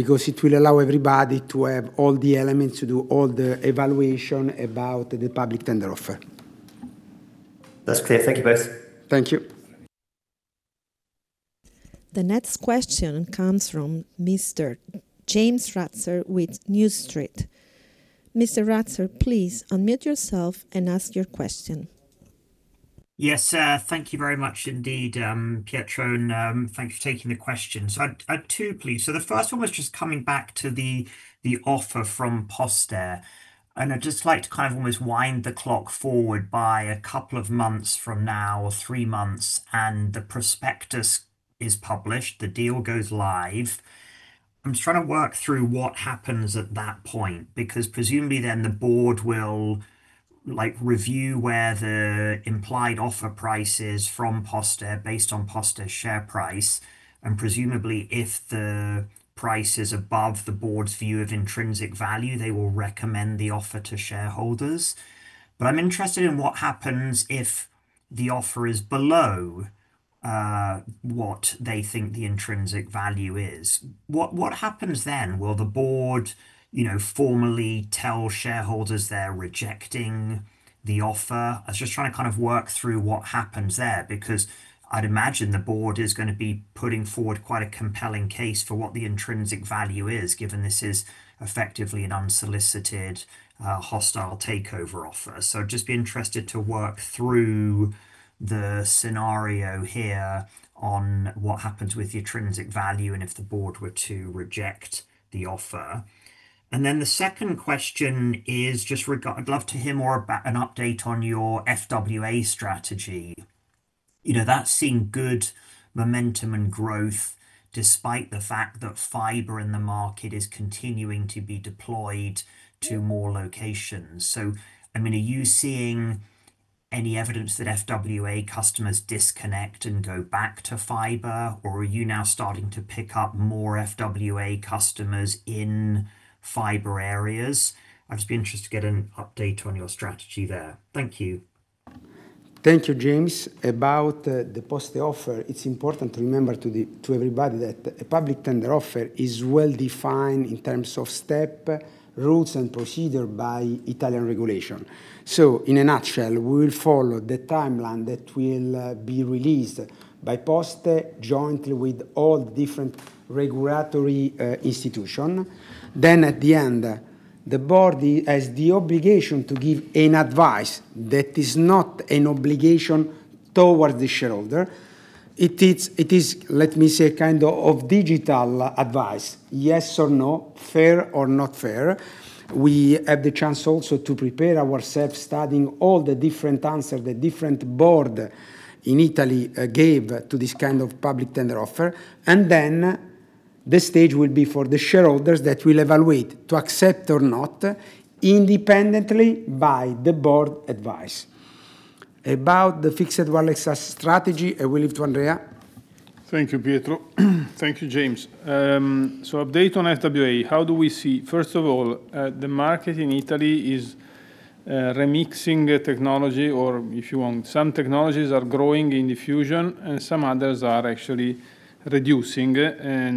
because it will allow everybody to have all the elements to do all the evaluation about the public tender offer. That's clear. Thank you both. Thank you. The next question comes from Mr. James Ratzer with New Street. Mr. Ratzer, please unmute yourself and ask your question. Yes. Thank you very much indeed, Pietro, thank you for taking the question. I had two please. The first one was just coming back to the offer from Poste. I'd just like to kind of almost wind the clock forward by a couple of months from now or three months, the prospetto informativo is published, the deal goes live. I'm just trying to work through what happens at that point, because presumably then the board will review where the implied offer price is from Poste based on Poste share price. Presumably if the price is above the board's view of intrinsic value, they will recommend the offer to shareholders. I'm interested in what happens if the offer is below what they think the intrinsic value is. What happens then? Will the board, you know, formally tell shareholders they're rejecting the offer? I was just trying to kind of work through what happens there, because I'd imagine the board is gonna be putting forward quite a compelling case for what the intrinsic value is, given this is effectively an unsolicited, hostile takeover offer. I'd just be interested to work through the scenario here on what happens with the intrinsic value and if the board were to reject the offer. The second question is just regarding, I'd love to hear more about an update on your FWA strategy. You know, that's seen good momentum and growth despite the fact that fiber in the market is continuing to be deployed to more locations. I mean, are you seeing any evidence that FWA customers disconnect and go back to fiber, or are you now starting to pick up more FWA customers in fiber areas? I'd just be interested to get an update on your strategy there. Thank you. Thank you, James. About the Poste offer, it's important to remember to everybody that a public tender offer is well defined in terms of step, routes, and procedure by Italian regulation. In a nutshell, we will follow the timeline that will be released by Poste jointly with all different regulatory institution. At the end, the board has the obligation to give an advice. That is not an obligation towards the shareholder. It is, let me say, kind of digital advice, yes or no, fair or not fair. We have the chance also to prepare ourselves studying all the different answer the different board in Italy gave to this kind of public tender offer. The stage will be for the shareholders that will evaluate to accept or not independently by the board advice. About the fixed wireless strategy, I will leave to Andrea. Thank you, Pietro. Thank you, James. Update on FWA, how do we see? First of all, the market in Italy is remixing a technology or, if you want, some technologies are growing in diffusion and some others are actually reducing.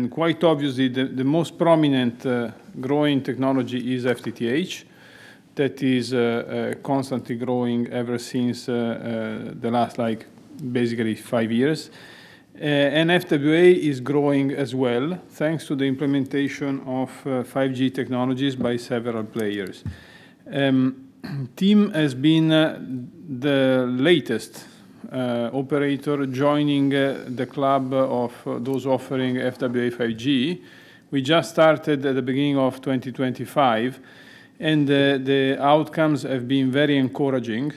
Quite obviously, the most prominent growing technology is FTTH. That is constantly growing ever since the last, like, basically five years. FWA is growing as well, thanks to the implementation of 5G technologies by several players. TIM has been the latest operator joining the club of those offering FWA 5G. We just started at the beginning of 2025, the outcomes have been very encouraging.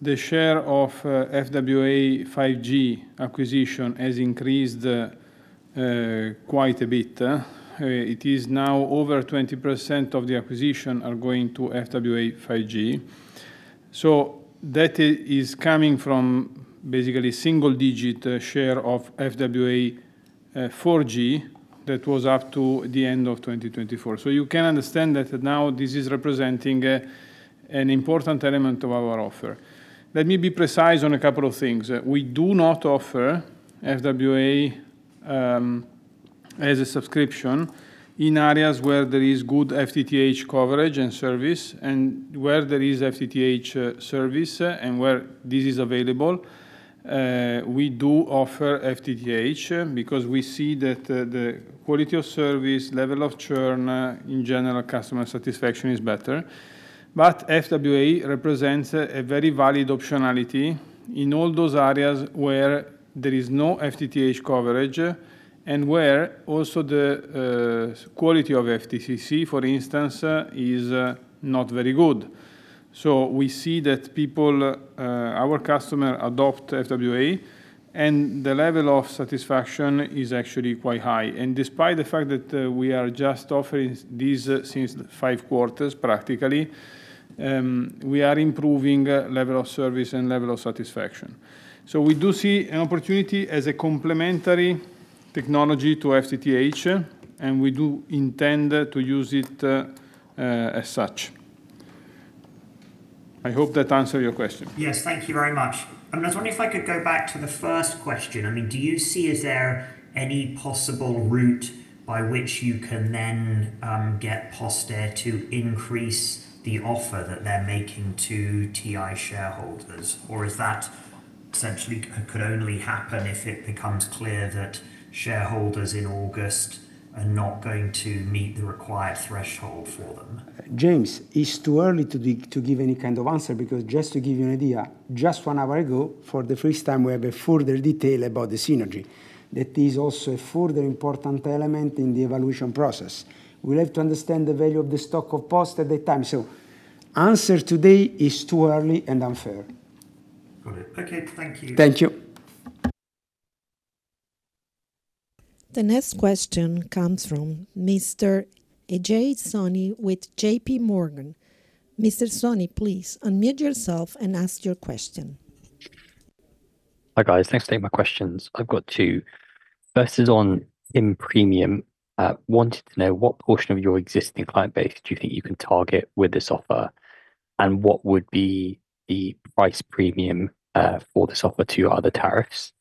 The share of FWA 5G acquisition has increased quite a bit. It is now over 20% of the acquisition are going to FWA 5G. That is coming from basically single digit share of FWA 4G that was up to the end of 2024. You can understand that now this is representing an important element of our offer. Let me be precise on a couple of things. We do not offer FWA as a subscription in areas where there is good FTTH coverage and service. Where there is FTTH service and where this is available, we do offer FTTH because we see that the quality of service, level of churn, in general customer satisfaction is better. FWA represents a very valid optionality in all those areas where there is no FTTH coverage and where also the quality of FTTC, for instance, is not very good. We see that people, our customer adopt FWA, and the level of satisfaction is actually quite high. Despite the fact that we are just offering this since five quarters practically, we are improving level of service and level of satisfaction. We do see an opportunity as a complementary technology to FTTH, and we do intend to use it as such. I hope that answer your question. Yes. Thank you very much. I was wondering if I could go back to the first question. I mean, is there any possible route by which you can then get Poste to increase the offer that they're making to TI shareholders? Is that essentially could only happen if it becomes clear that shareholders in August are not going to meet the required threshold for them? James, it's too early to give any kind of answer because just to give you an idea, just 1 hour ago, for the first time, we have a further detail about the synergy. That is also a further important element in the evaluation process. We'll have to understand the value of the stock of Poste at that time. Answer today is too early and unfair. Got it. Okay. Thank you. Thank you. The next question comes from Mr. Ajay Soni with JP Morgan. Mr. Soni, please unmute yourself and ask your question. Hi, guys. Thanks for taking my questions. I've got two. First is on TIM Premium. I wanted to know what portion of your existing client base do you think you can target with this offer, and what would be the price premium for this offer to other tariffs?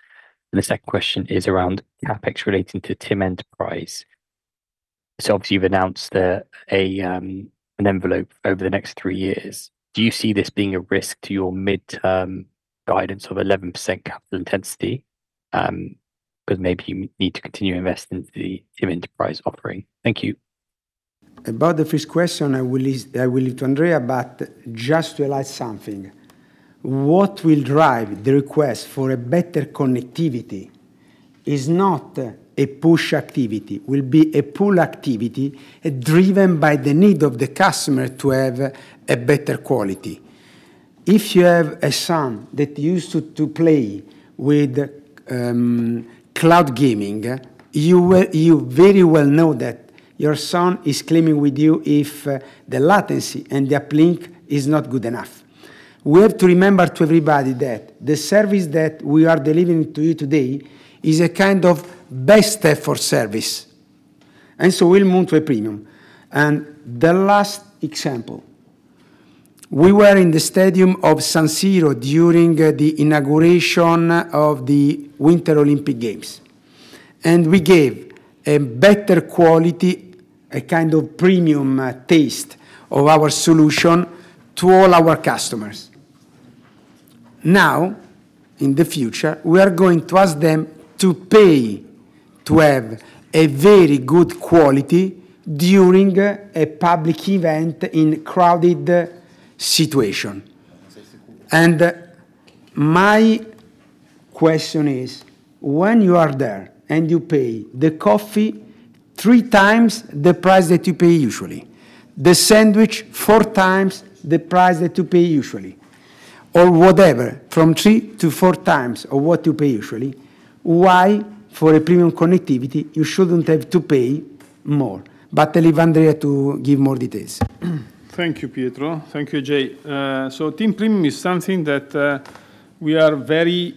The second question is around CapEx relating to TIM Enterprise. Obviously you've announced an envelope over the next three years. Do you see this being a risk to your midterm guidance of 11% capital intensity, because maybe you need to continue to invest in the TIM Enterprise offering? Thank you. About the first question, I will leave to Andrea, just to highlight something. What will drive the request for a better connectivity is not a push activity. It will be a pull activity driven by the need of the customer to have a better quality. If you have a son that used to play with cloud gaming, you very well know that your son is claiming with you if the latency and the uplink is not good enough. We have to remember to everybody that the service that we are delivering to you today is a kind of best effort service, we'll move to a premium. The last example, we were in the stadium of San Siro during the inauguration of the Winter Olympic Games, and we gave a better quality, a kind of premium taste of our solution to all our customers. In the future, we are going to ask them to pay to have a very good quality during a public event in crowded situation. My question is, when you are there and you pay the coffee three times the price that you pay usually, the sandwich four times the price that you pay usually or whatever, from three to four times of what you pay usually, why for a premium connectivity you shouldn't have to pay more? I leave Andrea to give more details. Thank you, Pietro. Thank you, Jay. TIM Premium is something that we are very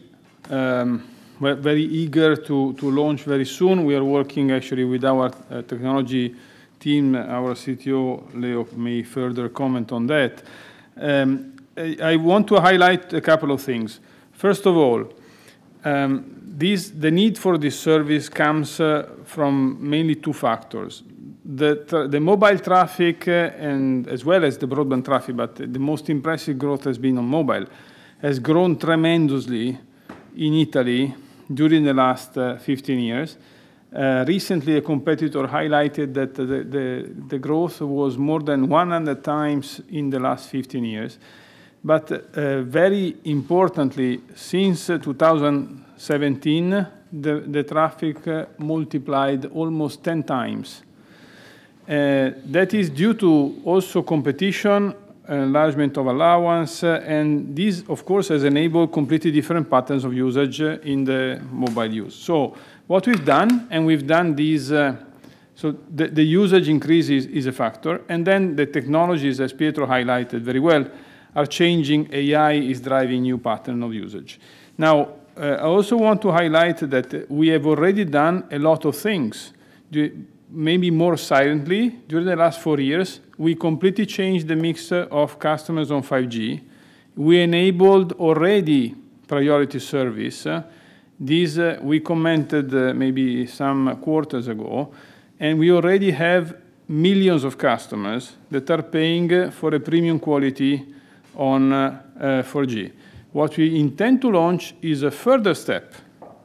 eager to launch very soon. We are working actually with our technology team. Our CTO, Elio, may further comment on that. I want to highlight a couple of things. First of all, the need for this service comes from mainly two factors. The mobile traffic and as well as the broadband traffic, the most impressive growth has been on mobile, has grown tremendously in Italy during the last 15 years. Recently, a competitor highlighted that the growth was more than 100 times in the last 15 years. Very importantly, since 2017, the traffic multiplied almost 10 times. That is due to also competition, enlargement of allowance, and this of course has enabled completely different patterns of usage in the mobile use. The usage increase is a factor. The technologies, as Pietro highlighted very well, are changing. AI is driving new pattern of usage. I also want to highlight that we have already done a lot of things. Maybe more silently during the last four years, we completely changed the mix of customers on 5G. We enabled already priority service. This we commented maybe some quarters ago. We already have millions of customers that are paying for a premium quality on 4G. What we intend to launch is a further step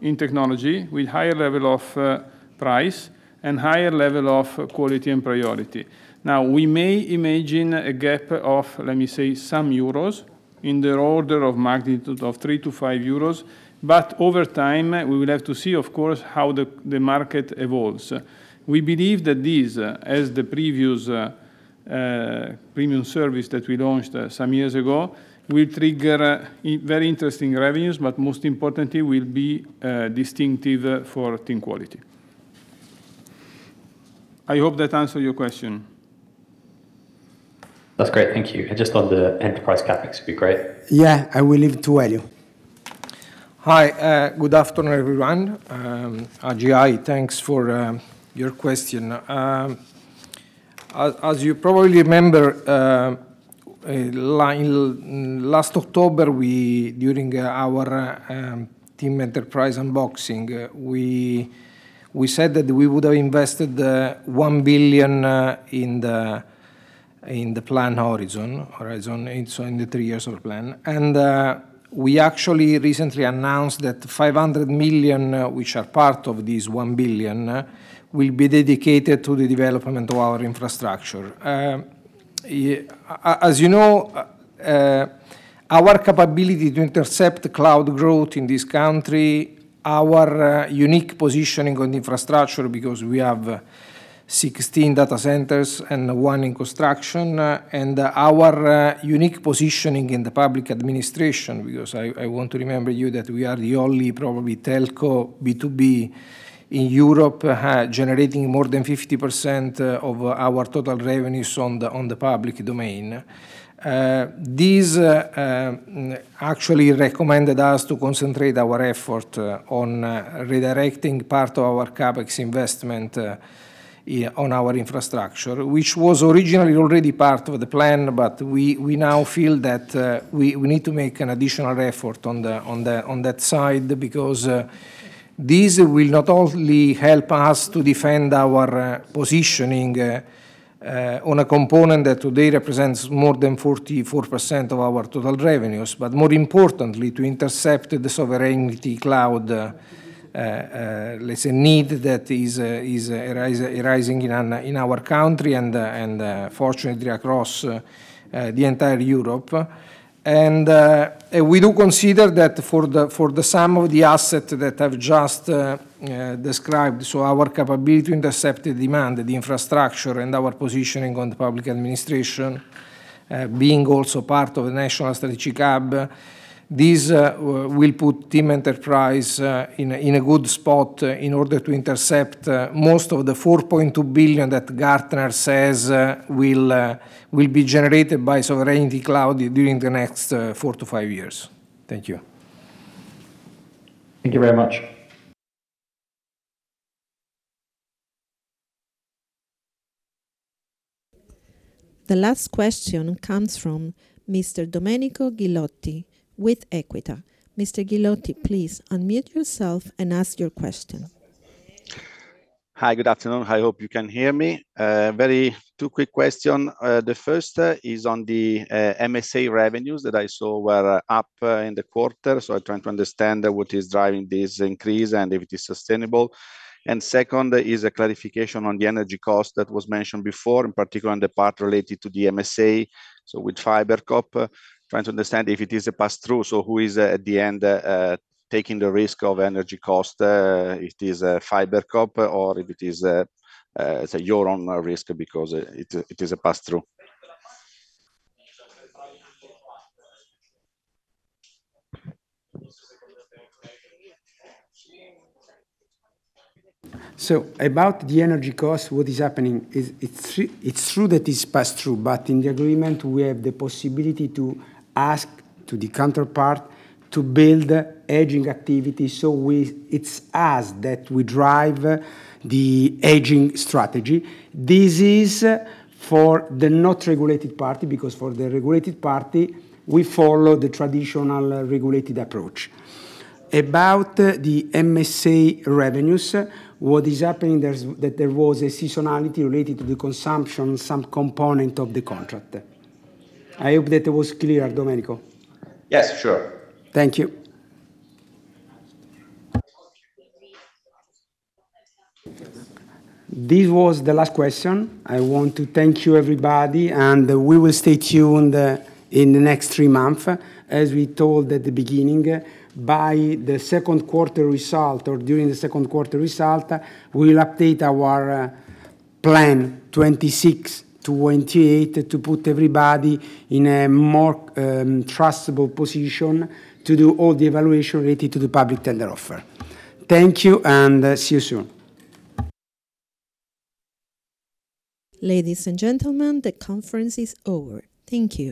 in technology with higher level of price and higher level of quality and priority. Now, we may imagine a gap of, let me say, some euros in the order of magnitude of 3-5 euros. Over time, we will have to see, of course, how the market evolves. We believe that this, as the previous premium service that we launched some years ago, will trigger in very interesting revenues, but most importantly will be distinctive for TIM quality. I hope that answer your question? That's great. Thank you. Just on the enterprise CapEx would be great. Yeah. I will leave it to Elio. Hi. Good afternoon, everyone. Ajay, thanks for your question. As you probably remember, last October, during our TIM Enterprise unboxing, we said that we would have invested 1 billion in the plan horizon, so in the three years of plan. We actually recently announced that 500 million, which are part of this one billion, will be dedicated to the development of our infrastructure. As you know, our capability to intercept cloud growth in this country, our unique positioning on infrastructure because we have 16 data centers and one in construction, and our unique positioning in the public administration because I want to remember you that we are the only probably telco B2B in Europe, generating more than 50% of our total revenues on the public domain. This actually recommended us to concentrate our effort on redirecting part of our CapEx investment, yeah, on our infrastructure, which was originally already part of the plan, but we now feel that we need to make an additional effort on that side because this will not only help us to defend our positioning on a component that today represents more than 44% of our total revenues, but more importantly, to intercept the sovereign cloud, it's a need that is arising in our country and fortunately across the entire Europe. We do consider that for the sum of the asset that I've just described, so our capability to intercept the demand, the infrastructure, and our positioning on the public administration, being also part of the National Strategic Hub, this will put TIM Enterprise in a good spot in order to intercept most of the 4.2 billion that Gartner says will be generated by Sovereign Cloud during the next four to five years. Thank you. Thank you very much. The last question comes from Mr. Domenico Ghilotti with Equita. Mr. Ghilotti, please unmute yourself and ask your question. Hi, good afternoon. I hope you can hear me. very two quick question. The first is on the MSA revenues that I saw were up in the quarter, so I'm trying to understand what is driving this increase and if it is sustainable. Second is a clarification on the energy cost that was mentioned before, in particular on the part related to the MSA, so with FiberCop. Trying to understand if it is a pass-through, so who is at the end taking the risk of energy cost, if it is FiberCop or if it is it's a your own risk because it is a pass-through. About the energy cost, what is happening is it's true that it's pass-through, but in the agreement, we have the possibility to ask to the counterpart to build hedging activity. It's us that we drive the hedging strategy. This is for the not regulated party, because for the regulated party, we follow the traditional regulated approach. About the MSA revenues, what is happening there is that there was a seasonality related to the consumption, some component of the contract. I hope that was clear, Domenico. Yes, sure. Thank you. This was the last question. I want to thank you, everybody, and we will stay tuned, in the next three months. As we told at the beginning, by the second quarter result or during the second quarter result, we will update our plan 2026 to 2028 to put everybody in a more trustable position to do all the evaluation related to the public tender offer. Thank you, and see you soon. Ladies and gentlemen, the conference is over. Thank you.